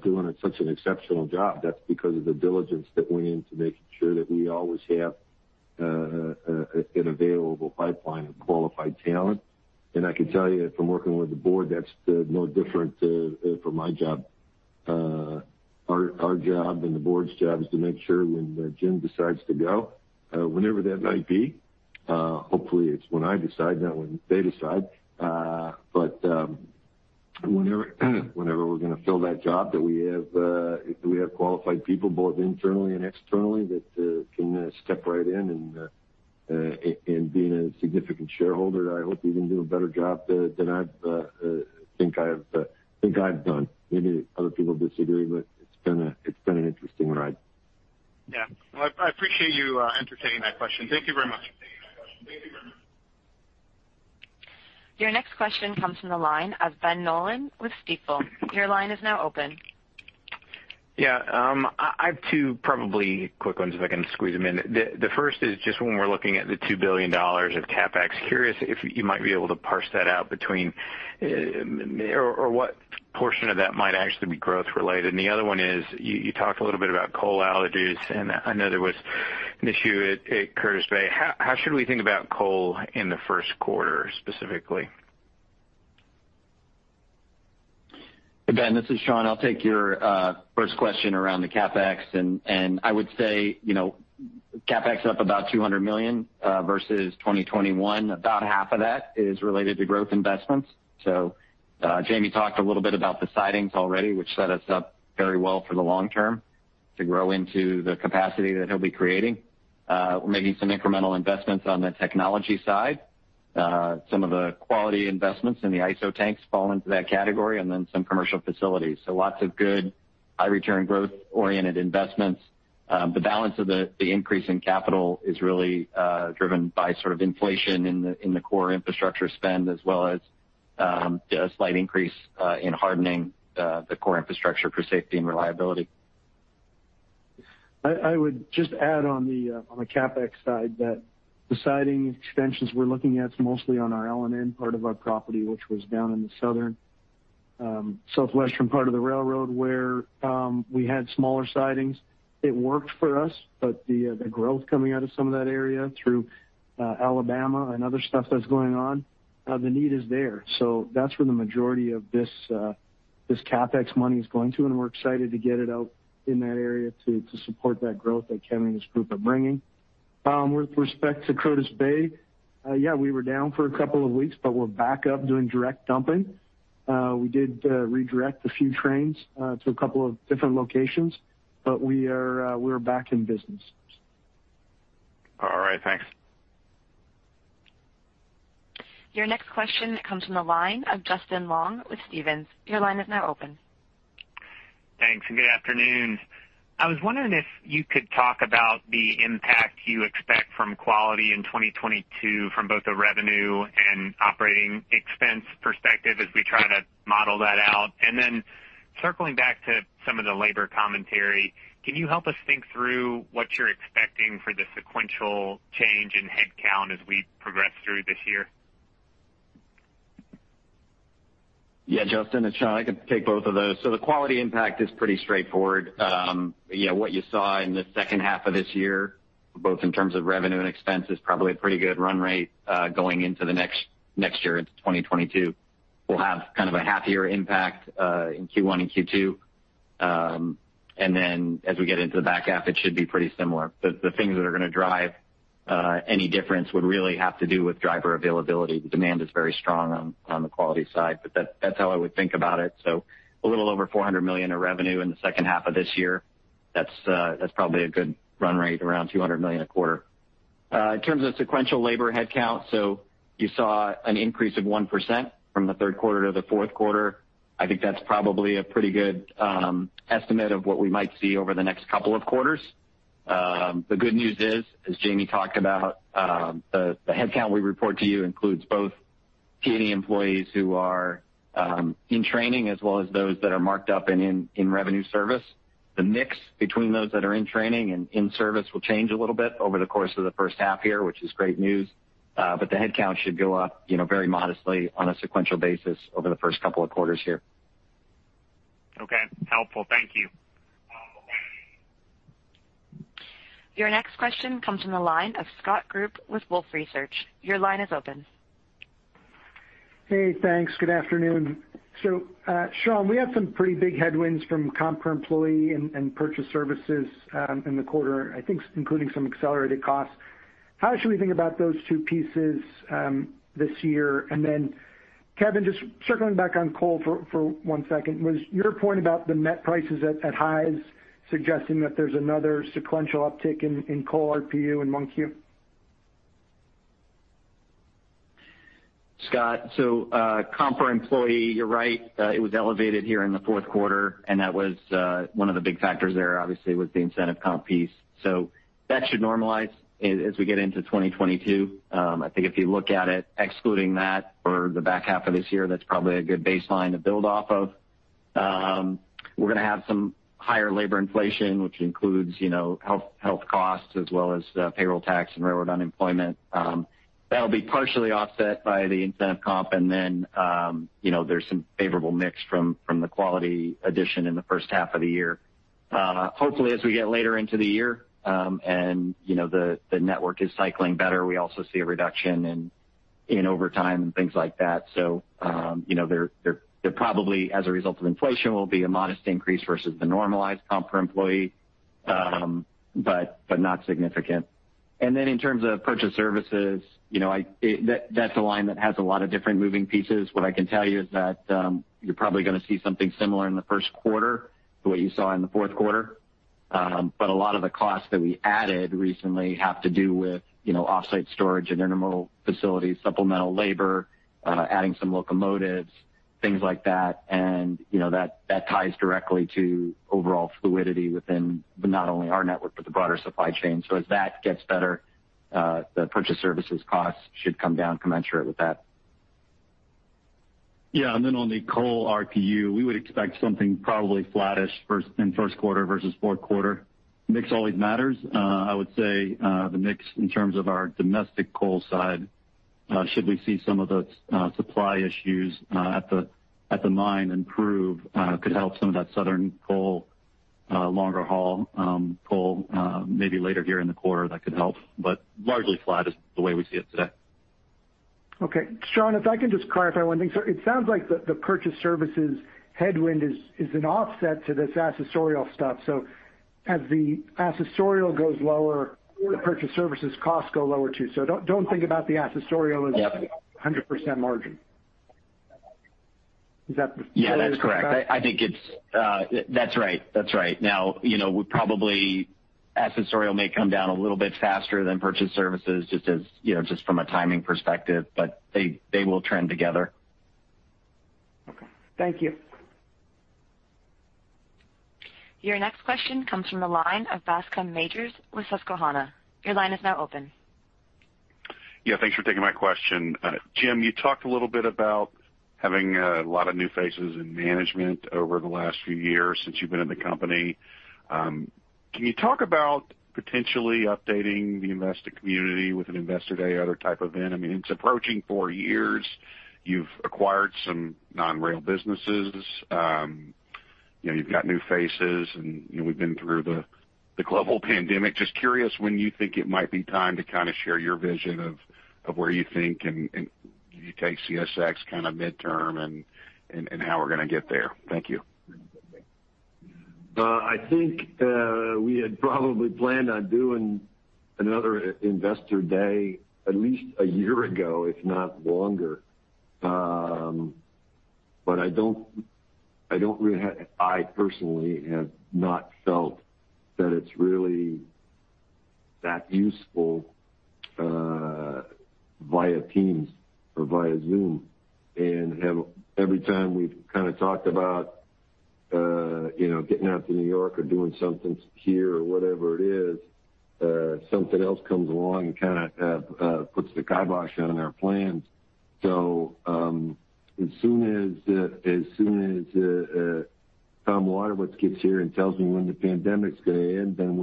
doing such an exceptional job, that's because of the diligence that went into making sure that we always have an available pipeline of qualified talent. I can tell you from working with the board, that's no different from my job. Our job and the board's job is to make sure when Jim decides to go, whenever that might be, hopefully it's when I decide, not when they decide. Whenever we're gonna fill that job that we have qualified people both internally and externally that can step right in and, being a significant shareholder, I hope they can do a better job than I think I've done. Maybe other people disagree, but it's been an interesting ride. Yeah. Well, I appreciate you entertaining my question. Thank you very much. Your next question comes from the line of Ben Nolan with Stifel. Your line is now open. I have two probably quick ones if I can squeeze them in. The first is just when we're looking at the $2 billion of CapEx, curious if you might be able to parse that out or what portion of that might actually be growth related. The other one is, you talked a little bit about coal outages, and I know there was an issue at Curtis Bay. How should we think about coal in the first quarter specifically? Hey, Ben, this is Sean. I'll take your first question around the CapEx and I would say, you know, CapEx is up about $200 million versus 2021. About half of that is related to growth investments. Jamie talked a little bit about the sidings already, which set us up very well for the long term to grow into the capacity that he'll be creating. We're making some incremental investments on the technology side. Some of the Quality investments in the ISO tanks fall into that category and then some commercial facilities. Lots of good high return growth-oriented investments. The balance of the increase in capital is really driven by sort of inflation in the core infrastructure spend, as well as a slight increase in hardening the core infrastructure for safety and reliability. I would just add on the CapEx side that the siding extensions we're looking at mostly on our L&N part of our property, which was down in the southern, southwestern part of the railroad where we had smaller sidings. It worked for us, but the growth coming out of some of that area through Alabama and other stuff that's going on, the need is there. That's where the majority of this CapEx money is going to, and we're excited to get it out in that area to support that growth that Kevin and his group are bringing. With respect to Curtis Bay, yeah, we were down for a couple of weeks, but we're back up doing direct dumping. We did redirect a few trains to a couple of different locations, but we are back in business. All right. Thanks. Your next question comes from the line of Justin Long with Stephens. Your line is now open. Thanks, and good afternoon. I was wondering if you could talk about the impact you expect from Quality in 2022 from both a revenue and operating expense perspective as we try to model that out. Circling back to some of the labor commentary, can you help us think through what you're expecting for the sequential change in headcount as we progress through this year? Yeah, Justin, it's Sean. I can take both of those. The quality impact is pretty straightforward. Yeah, what you saw in the second half of this year, both in terms of revenue and expense, is probably a pretty good run rate going into the next year into 2022. We'll have kind of a half year impact in Q1 and Q2. As we get into the back half, it should be pretty similar. The things that are gonna drive any difference would really have to do with driver availability. The demand is very strong on the quality side. That's how I would think about it. A little over $400 million of revenue in the second half of this year. That's probably a good run rate around $200 million a quarter. In terms of sequential labor headcount, you saw an increase of 1% from the third quarter to the fourth quarter. I think that's probably a pretty good estimate of what we might see over the next couple of quarters. The good news is, as Jamie talked about, the headcount we report to you includes both T&E employees who are in training as well as those that are marked up and in revenue service. The mix between those that are in training and in service will change a little bit over the course of the first half year, which is great news. The headcount should go up, you know, very modestly on a sequential basis over the first couple of quarters here. Okay. Helpful. Thank you. Your next question comes from the line of Scott Group with Wolfe Research. Your line is open. Hey, thanks. Good afternoon. Sean, we had some pretty big headwinds from comp per employee and purchased services in the quarter, I think including some accelerated costs. How should we think about those two pieces this year? Kevin, just circling back on coal for one second. Was your point about the net prices at highs suggesting that there's another sequential uptick in coal RPU in Q1? Scott, comp per employee, you're right. It was elevated here in the fourth quarter, and that was one of the big factors there obviously was the incentive comp piece. That should normalize as we get into 2022. I think if you look at it excluding that for the back half of this year, that's probably a good baseline to build off of. We're gonna have some higher labor inflation, which includes, you know, health costs as well as payroll tax and railroad unemployment. That'll be partially offset by the incentive comp and then, you know, there's some favorable mix from the Quality addition in the first half of the year. Hopefully, as we get later into the year, you know, the network is cycling better, we also see a reduction in overtime and things like that. You know, they're probably as a result of inflation, will be a modest increase versus the normalized comp per employee, but not significant. Then in terms of purchased services, you know, that's a line that has a lot of different moving pieces. What I can tell you is that, you're probably gonna see something similar in the first quarter to what you saw in the fourth quarter. But a lot of the costs that we added recently have to do with, you know, offsite storage and intermodal facilities, supplemental labor, adding some locomotives, things like that. You know, that ties directly to overall fluidity within not only our network but the broader supply chain. As that gets better, the purchased services costs should come down commensurate with that. On the coal RPU, we would expect something probably flattish in first quarter versus fourth quarter. Mix always matters. I would say the mix in terms of our domestic coal side, should we see some of the supply issues at the mine improve, could help some of that southern coal longer haul coal maybe later here in the quarter, that could help. Largely flat is the way we see it today. Okay. Sean, if I can just clarify one thing. It sounds like the purchase services headwind is an offset to this accessorial stuff. As the accessorial goes lower, the purchase services costs go lower, too. Don't think about the accessorial- Yep. As a 100% margin. Is that the Yeah, that's correct. I think it's. That's right. Now, you know, accessorial may come down a little bit faster than purchased services just as, you know, just from a timing perspective, but they will trend together. Okay. Thank you. Your next question comes from the line of Bascome Majors with Susquehanna. Your line is now open. Yeah, thanks for taking my question. Jim, you talked a little bit about having a lot of new faces in management over the last few years since you've been at the company. Can you talk about potentially updating the investor community with an Investor Day or other type of event? I mean, it's approaching four years. You've acquired some non-rail businesses. You know, you've got new faces and, you know, we've been through the global pandemic. Just curious when you think it might be time to kinda share your vision of where you think and you take CSX kinda midterm and how we're gonna get there. Thank you. I think we had probably planned on doing another Investor Day at least a year ago, if not longer. I personally have not felt that it's really that useful via Teams or via Zoom. Every time we've kinda talked about you know getting out to New York or doing something here or whatever it is, something else comes along and kinda puts the kibosh on our plans. As soon as Tom Wadewitz gets here and tells me when the pandemic's gonna end, then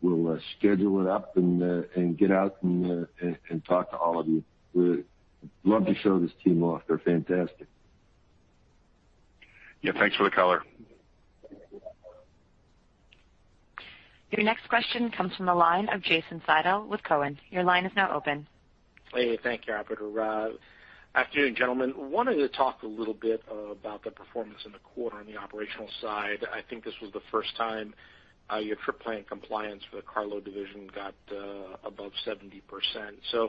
we'll schedule it up and get out and talk to all of you. We'd love to show this team off. They're fantastic. Yeah, thanks for the color. Your next question comes from the line of Jason Seidl with Cowen. Your line is now open. Hey, thank you, operator. Afternoon, gentlemen. I wanted to talk a little bit about the performance in the quarter on the operational side. I think this was the first time your trip plan compliance for the carload division got above 70%. I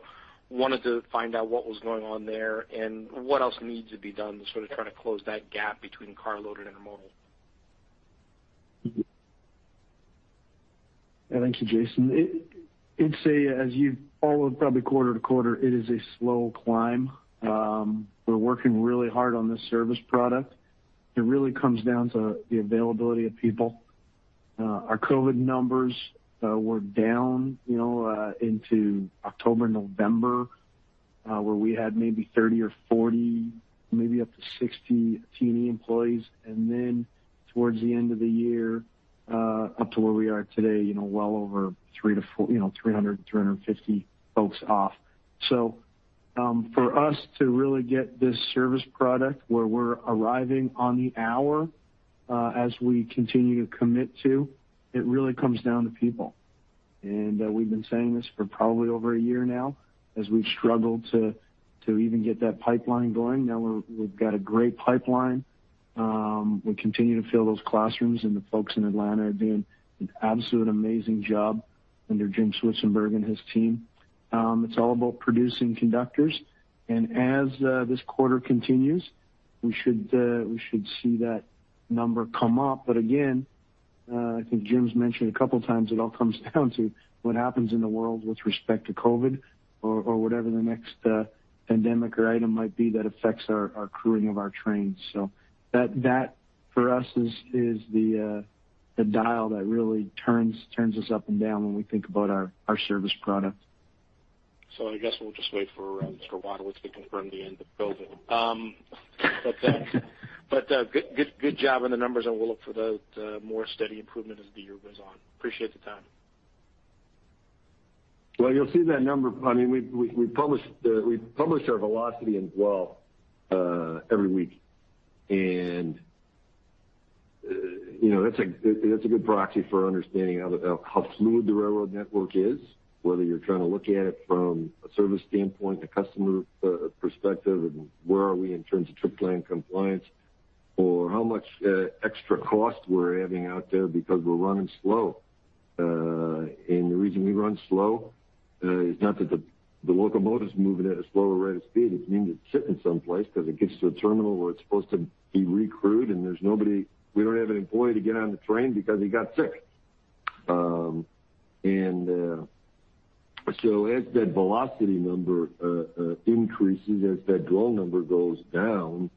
wanted to find out what was going on there and what else needs to be done to sort of try to close that gap between carload and intermodal. Thank you, Jason. It's a slow climb as you've followed probably quarter to quarter. We're working really hard on this service product. It really comes down to the availability of people. Our COVID numbers were down, you know, into October, November, where we had maybe 30 or 40, maybe up to 60 T&E employees. Then towards the end of the year, up to where we are today, you know, well over 300 to 400, you know, 350 folks off. For us to really get this service product where we're arriving on the hour, as we continue to commit to, it really comes down to people. We've been saying this for probably over a year now as we've struggled to even get that pipeline going. We've got a great pipeline. We continue to fill those classrooms, and the folks in Atlanta are doing an absolutely amazing job under Jim Schwichtenberg and his team. It's all about producing conductors. As this quarter continues, we should see that number come up. Again, I think Jim's mentioned a couple times, it all comes down to what happens in the world with respect to COVID or whatever the next pandemic or item might be that affects our crewing of our trains. That for us is the dial that really turns us up and down when we think about our service product. I guess we'll just wait for Mr. Wadewitz to confirm the end of COVID. Good job on the numbers, and we'll look for the more steady improvement as the year goes on. Appreciate the time. Well, you'll see that number. I mean, we published our velocity and dwell every week. You know, that's a good proxy for understanding how fluid the railroad network is, whether you're trying to look at it from a service standpoint, a customer perspective, and where we are in terms of trip plan compliance or how much extra cost we're adding out there because we're running slow. The reason we run slow is not that the locomotive is moving at a slower rate of speed. It means it's sitting someplace because it gets to a terminal where it's supposed to be re-crewed and there's nobody, we don't have an employee to get on the train because he got sick. As that velocity number increases, as that dwell number goes down,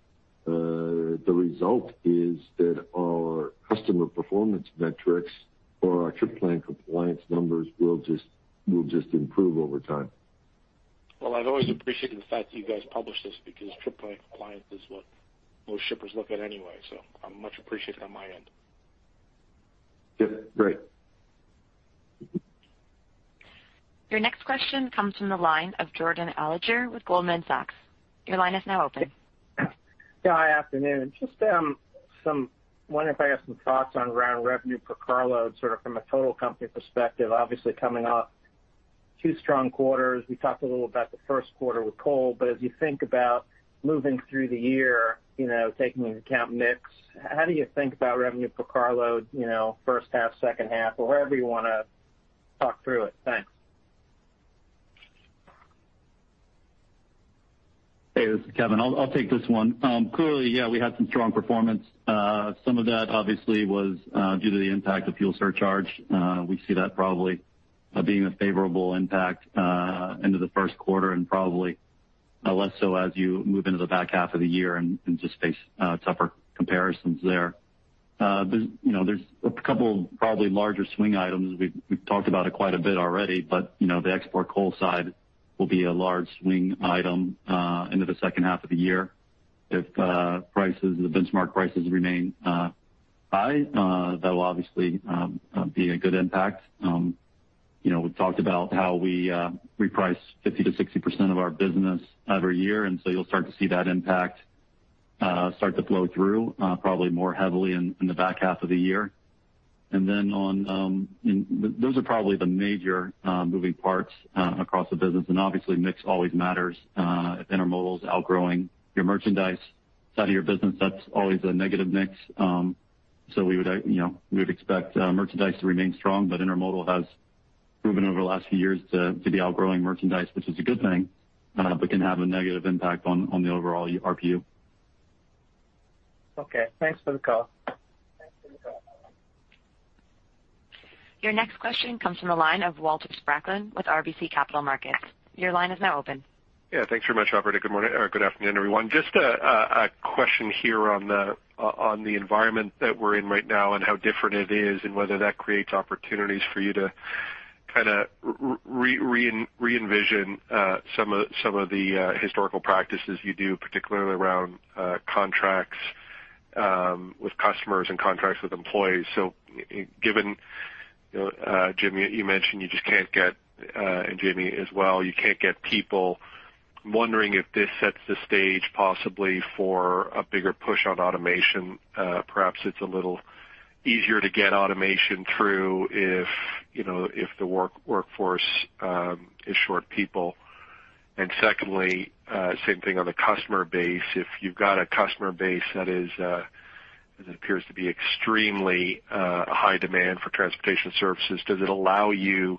the result is that our customer performance metrics or our trip plan compliance numbers will just improve over time. Well, I've always appreciated the fact that you guys publish this because trip plan compliance is what most shippers look at anyway, so I much appreciate it on my end. Yeah. Great. Your next question comes from the line of Jordan Alliger with Goldman Sachs. Your line is now open. Yeah. Afternoon. Just wondering if you have some thoughts around revenue per carload, sort of from a total company perspective, obviously coming off two strong quarters. We talked a little about the first quarter with coal, but as you think about moving through the year, you know, taking into account mix, how do you think about revenue per carload, you know, first half, second half or however you wanna talk through it? Thanks. Hey, this is Kevin. I'll take this one. Clearly, yeah, we had some strong performance. Some of that obviously was due to the impact of fuel surcharge. We see that probably being a favorable impact into the first quarter and probably less so as you move into the back half of the year and just face tougher comparisons there. There's, you know, a couple of probably larger swing items. We've talked about it quite a bit already, but you know, the export coal side will be a large swing item into the second half of the year. If prices, the benchmark prices remain high, that'll obviously be a good impact. You know, we've talked about how we reprice 50%-60% of our business every year, and so you'll start to see that impact start to flow through probably more heavily in the back half of the year. On those are probably the major moving parts across the business. Obviously, mix always matters if Intermodal is outgrowing your Merchandise side of your business, that's always a negative mix. You know, we would expect Merchandise to remain strong, but Intermodal has proven over the last few years to be outgrowing Merchandise, which is a good thing, but can have a negative impact on the overall RPU. Okay, thanks for the call. Your next question comes from the line of Walter Spracklin with RBC Capital Markets. Your line is now open. Yeah, thanks very much, operator. Good morning or good afternoon, everyone. Just a question here on the environment that we're in right now and how different it is and whether that creates opportunities for you to kinda re-envision some of the historical practices you do, particularly around contracts with customers and contracts with employees. Given Jim, you mentioned you just can't get, and Jamie as well, you can't get people wondering if this sets the stage possibly for a bigger push on automation. Perhaps it's a little easier to get automation through if you know if the workforce is short people. Secondly, same thing on the customer base. If you've got a customer base that is that appears to be extremely high demand for transportation services, does it allow you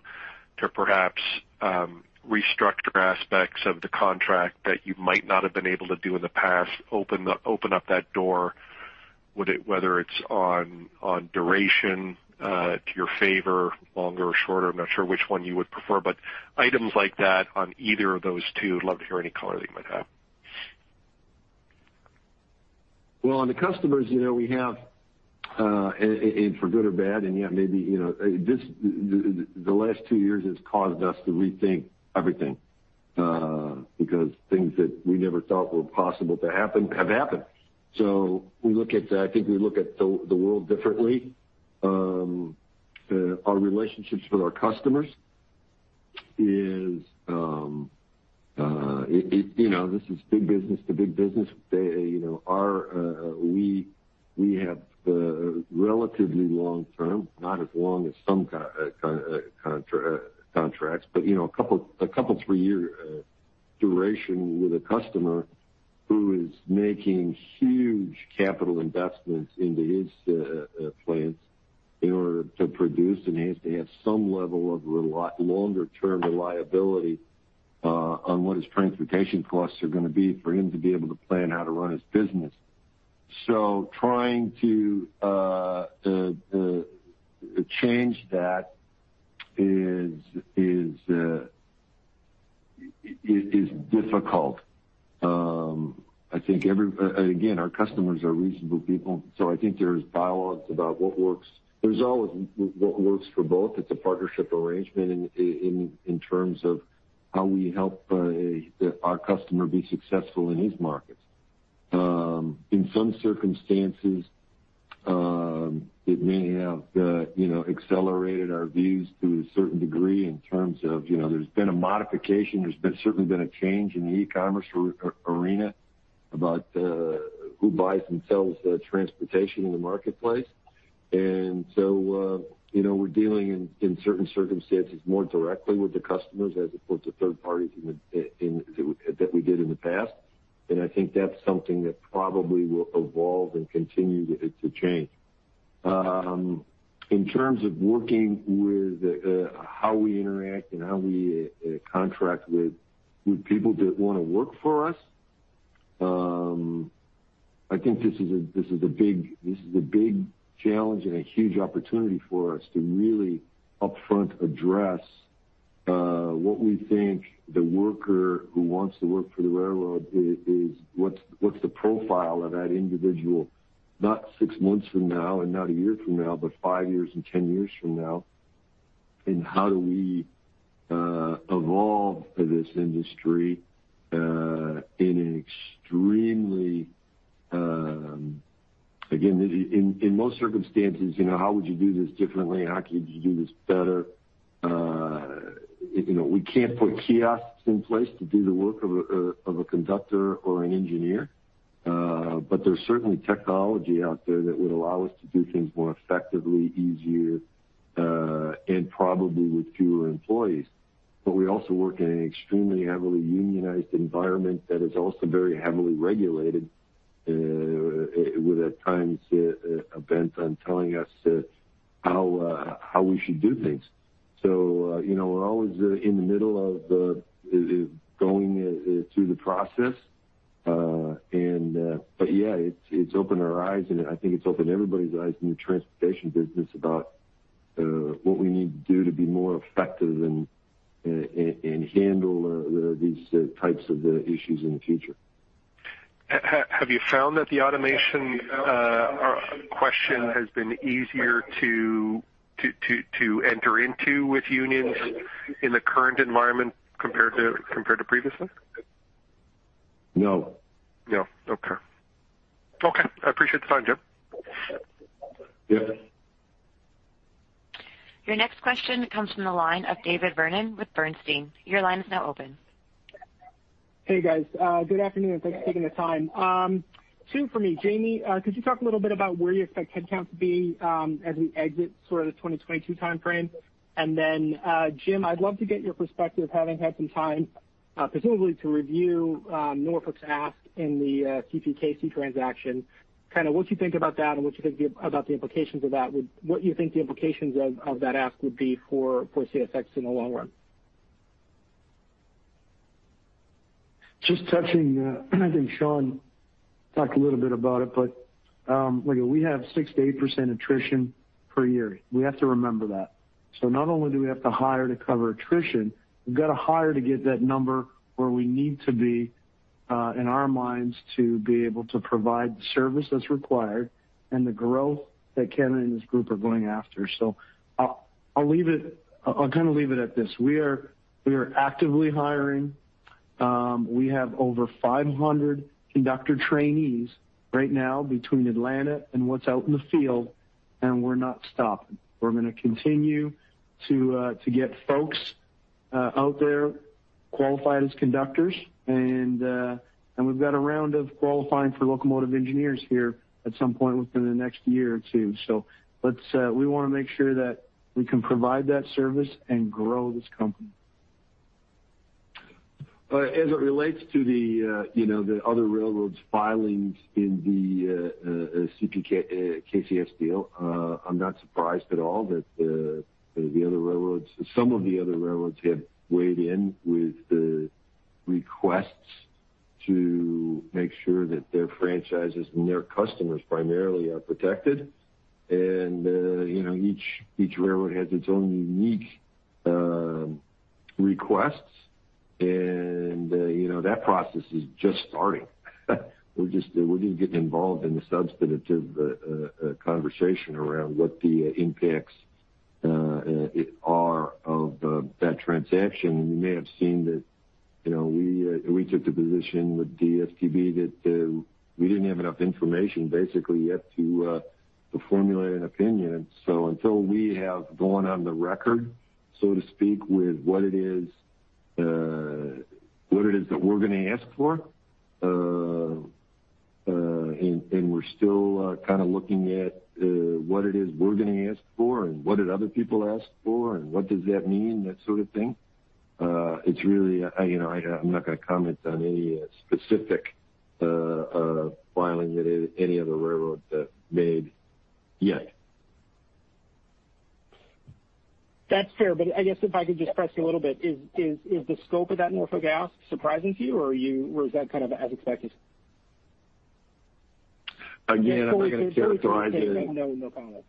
to perhaps restructure aspects of the contract that you might not have been able to do in the past, open up that door, would it whether it's on duration to your favor, longer or shorter, I'm not sure which one you would prefer, but items like that on either of those two, I'd love to hear any color that you might have. On the customers, you know, we have and for good or bad, and yet maybe, you know, this, the last two years has caused us to rethink everything, because things that we never thought were possible to happen have happened. I think we look at the world differently. Our relationships with our customers is it, you know, this is big business to big business. You know, we have relatively long-term, not as long as some contracts, but you know, a couple three-year duration with a customer who is making huge capital investments into his plants in order to produce and he has to have some level of longer-term reliability on what his transportation costs are gonna be for him to be able to plan how to run his business. Trying to change that is difficult. I think again, our customers are reasonable people, so I think there's dialogues about what works. There's always what works for both. It's a partnership arrangement in terms of how we help our customer be successful in his markets. In some circumstances, it may have, you know, accelerated our views to a certain degree in terms of, you know, there's been a modification. There's been certainly a change in the e-commerce arena about who buys and sells transportation in the marketplace. So, you know, we're dealing in certain circumstances more directly with the customers as opposed to third parties in that we did in the past. I think that's something that probably will evolve and continue to change. In terms of working with how we interact and how we contract with people that wanna work for us, I think this is a big challenge and a huge opportunity for us to really upfront address what we think the worker who wants to work for the railroad is what's the profile of that individual? Not six months from now and not a year from now, but five years and ten years from now. How do we evolve this industry in an extremely, again, in most circumstances, you know, how would you do this differently and how could you do this better? You know, we can't put kiosks in place to do the work of a conductor or an engineer, but there's certainly technology out there that would allow us to do things more effectively, easier, and probably with fewer employees. We also work in an extremely heavily unionized environment that is also very heavily regulated, with at times bent on telling us how we should do things. You know, we're always in the middle of going through the process. Yeah, it's opened our eyes, and I think it's opened everybody's eyes in the transportation business about what we need to do to be more effective and handle these types of issues in the future. Have you found that the automation question has been easier to enter into with unions in the current environment compared to previously? No. No. Okay. I appreciate the time, Jim. Yes. Your next question comes from the line of David Vernon with Bernstein. Your line is now open. Hey, guys. Good afternoon. Thanks for taking the time. Two for me. Jamie, could you talk a little bit about where you expect headcount to be as we exit sort of the 2022 timeframe? Jim, I'd love to get your perspective, having had some time presumably to review Norfolk's ask in the CPKC transaction. Kinda what you think about that and about the implications of that ask would be for CSX in the long run. Just touching, I think Sean talked a little bit about it, but we have 6%-8% attrition per year. We have to remember that. Not only do we have to hire to cover attrition, we've got to hire to get that number where we need to be in our minds, to be able to provide the service that's required and the growth that Kevin Boone and his group are going after. I'll kinda leave it at this. We are actively hiring. We have over 500 conductor trainees right now between Atlanta and what's out in the field, and we're not stopping. We're gonna continue to get folks out there qualified as conductors. We've got a round of qualifying for locomotive engineers here at some point within the next year or two. We wanna make sure that we can provide that service and grow this company. As it relates to the other railroads' filings in the CP-KCS deal, I'm not surprised at all that the other railroads, some of the other railroads, have weighed in with the requests to make sure that their franchises and their customers primarily are protected. Each railroad has its own unique requests. That process is just starting. We're just getting involved in the substantive conversation around what the impacts are of that transaction. You may have seen that we took the position with STB that we didn't have enough information basically yet to formulate an opinion. Until we have gone on the record, so to speak, with what it is that we're gonna ask for, and we're still kinda looking at what it is we're gonna ask for and what did other people ask for and what does that mean, that sort of thing. It's really, you know, I'm not gonna comment on any specific filing that any other railroad made yet. That's fair. I guess if I could just press you a little bit, is the scope of that Norfolk ask surprising to you or is that kind of as expected? Again, I'm not gonna characterize it. No, no comment.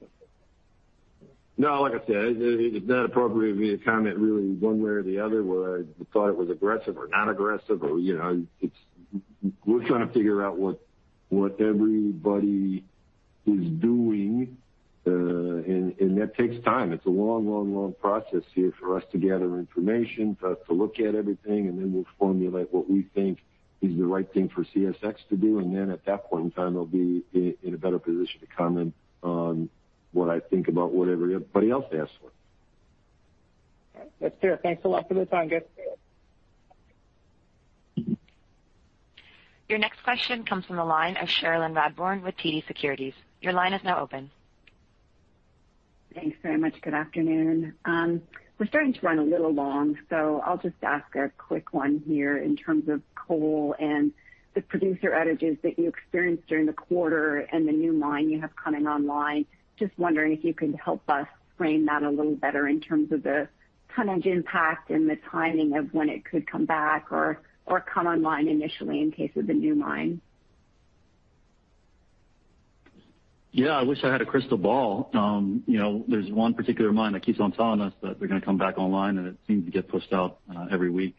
No, like I said, it's not appropriate for me to comment really one way or the other, whether I thought it was aggressive or not aggressive or, you know. It's. We're trying to figure out what everybody is doing. That takes time. It's a long process here for us to gather information, for us to look at everything, and then we'll formulate what we think is the right thing for CSX to do. Then at that point in time, they'll be in a better position to comment on what I think about whatever everybody else asks for. All right. That's fair. Thanks a lot for the time, guys. Your next question comes from the line of Cherilyn Radbourne with TD Securities. Your line is now open. Thanks very much. Good afternoon. We're starting to run a little long, so I'll just ask a quick one here in terms of coal and the producer outages that you experienced during the quarter and the new mine you have coming online. Just wondering if you could help us frame that a little better in terms of the tonnage impact and the timing of when it could come back or come online initially in case of the new mine. Yeah, I wish I had a crystal ball. You know, there's one particular mine that keeps on telling us that they're gonna come back online, and it seems to get pushed out every week.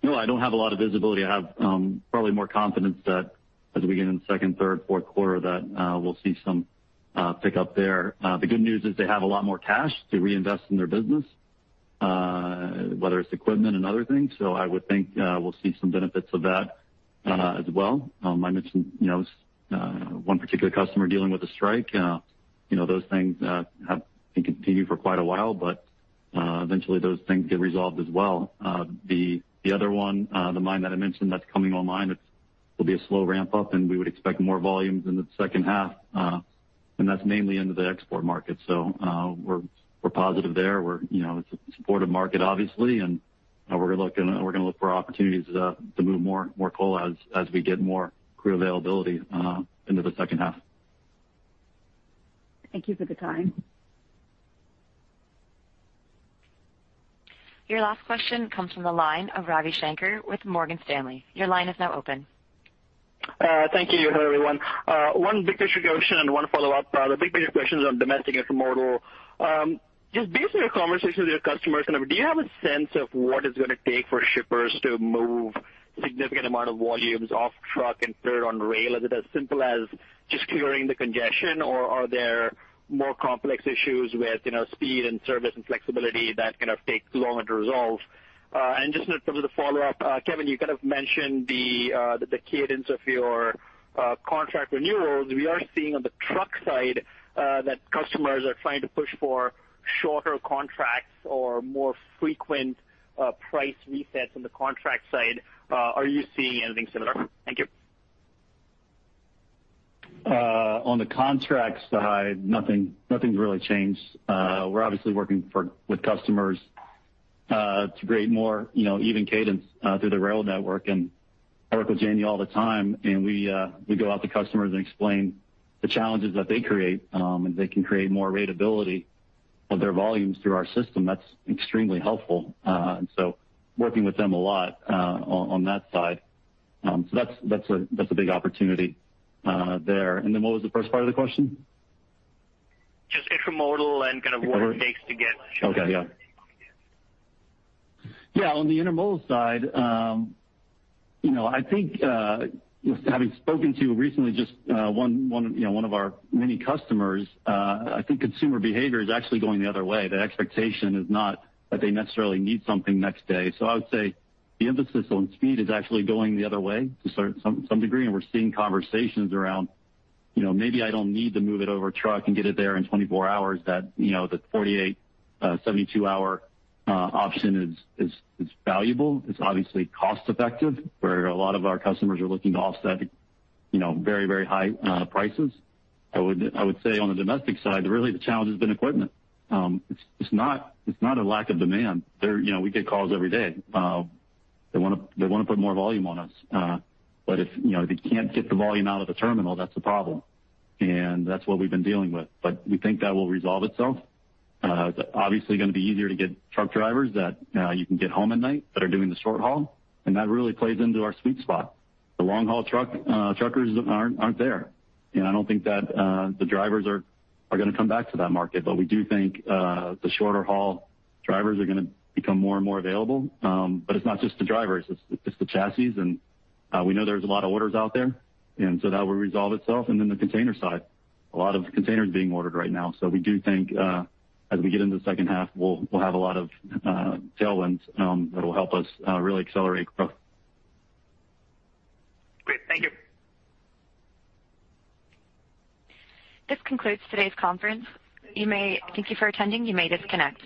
No, I don't have a lot of visibility. I have probably more confidence that as we get into second, third, fourth quarter that we'll see some pickup there. The good news is they have a lot more cash to reinvest in their business, whether it's equipment and other things. I would think we'll see some benefits of that as well. I mentioned, you know, one particular customer dealing with a strike. You know, those things have been continuing for quite a while, but eventually those things get resolved as well. The other one, the mine that I mentioned that's coming online, it will be a slow ramp up, and we would expect more volumes in the second half, and that's mainly into the export market. We're positive there. You know, it's a supportive market obviously, and we're gonna look for opportunities to move more coal as we get more crew availability into the second half. Thank you for the time. Your last question comes from the line of Ravi Shanker with Morgan Stanley. Your line is now open. Thank you. Hello, everyone. One big picture question and one follow-up. The big picture question is on domestic intermodal. Just based on your conversations with your customers, kind of, do you have a sense of what it's gonna take for shippers to move significant amount of volumes off truck and onto rail? Is it as simple as just clearing the congestion, or are there more complex issues with, you know, speed and service and flexibility that kind of takes longer to resolve? Just sort of the follow-up, Kevin, you kind of mentioned the cadence of your contract renewals. We are seeing on the truck side that customers are trying to push for shorter contracts or more frequent price resets on the contract side. Are you seeing anything similar? Thank you. On the contract side, nothing's really changed. We're obviously working with customers to create more, you know, even cadence through the rail network. I work with Jamie all the time, and we go out to customers and explain the challenges that they create, and they can create more ratability of their volumes through our system. That's extremely helpful. Working with them a lot on that side. That's a big opportunity there. What was the first part of the question? Just intermodal and kind of what it takes to get. Yeah, on the intermodal side, you know, I think, having spoken to recently just one of our many customers, I think consumer behavior is actually going the other way. The expectation is not that they necessarily need something next day. I would say the emphasis on speed is actually going the other way to some degree, and we're seeing conversations around, you know, maybe I don't need to move it over truck and get it there in 24 hours. That, you know, the 48-hour, 72-hour option is valuable. It's obviously cost-effective, where a lot of our customers are looking to offset, you know, very high prices. I would say on the domestic side, really the challenge has been equipment. It's not a lack of demand. You know, we get calls every day. They wanna put more volume on us. If you know, they can't get the volume out of the terminal, that's a problem. That's what we've been dealing with. We think that will resolve itself. Obviously gonna be easier to get truck drivers that you can get home at night that are doing the short haul, and that really plays into our sweet spot. The long haul truckers aren't there. I don't think that the drivers are gonna come back to that market. We do think the shorter haul drivers are gonna become more and more available. It's not just the drivers, it's the chassis. We know there's a lot of orders out there, and so that will resolve itself. Then the container side, a lot of containers being ordered right now. We do think, as we get into the second half, we'll have a lot of tailwinds that will help us really accelerate growth. Great. Thank you. This concludes today's conference. Thank you for attending. You may disconnect.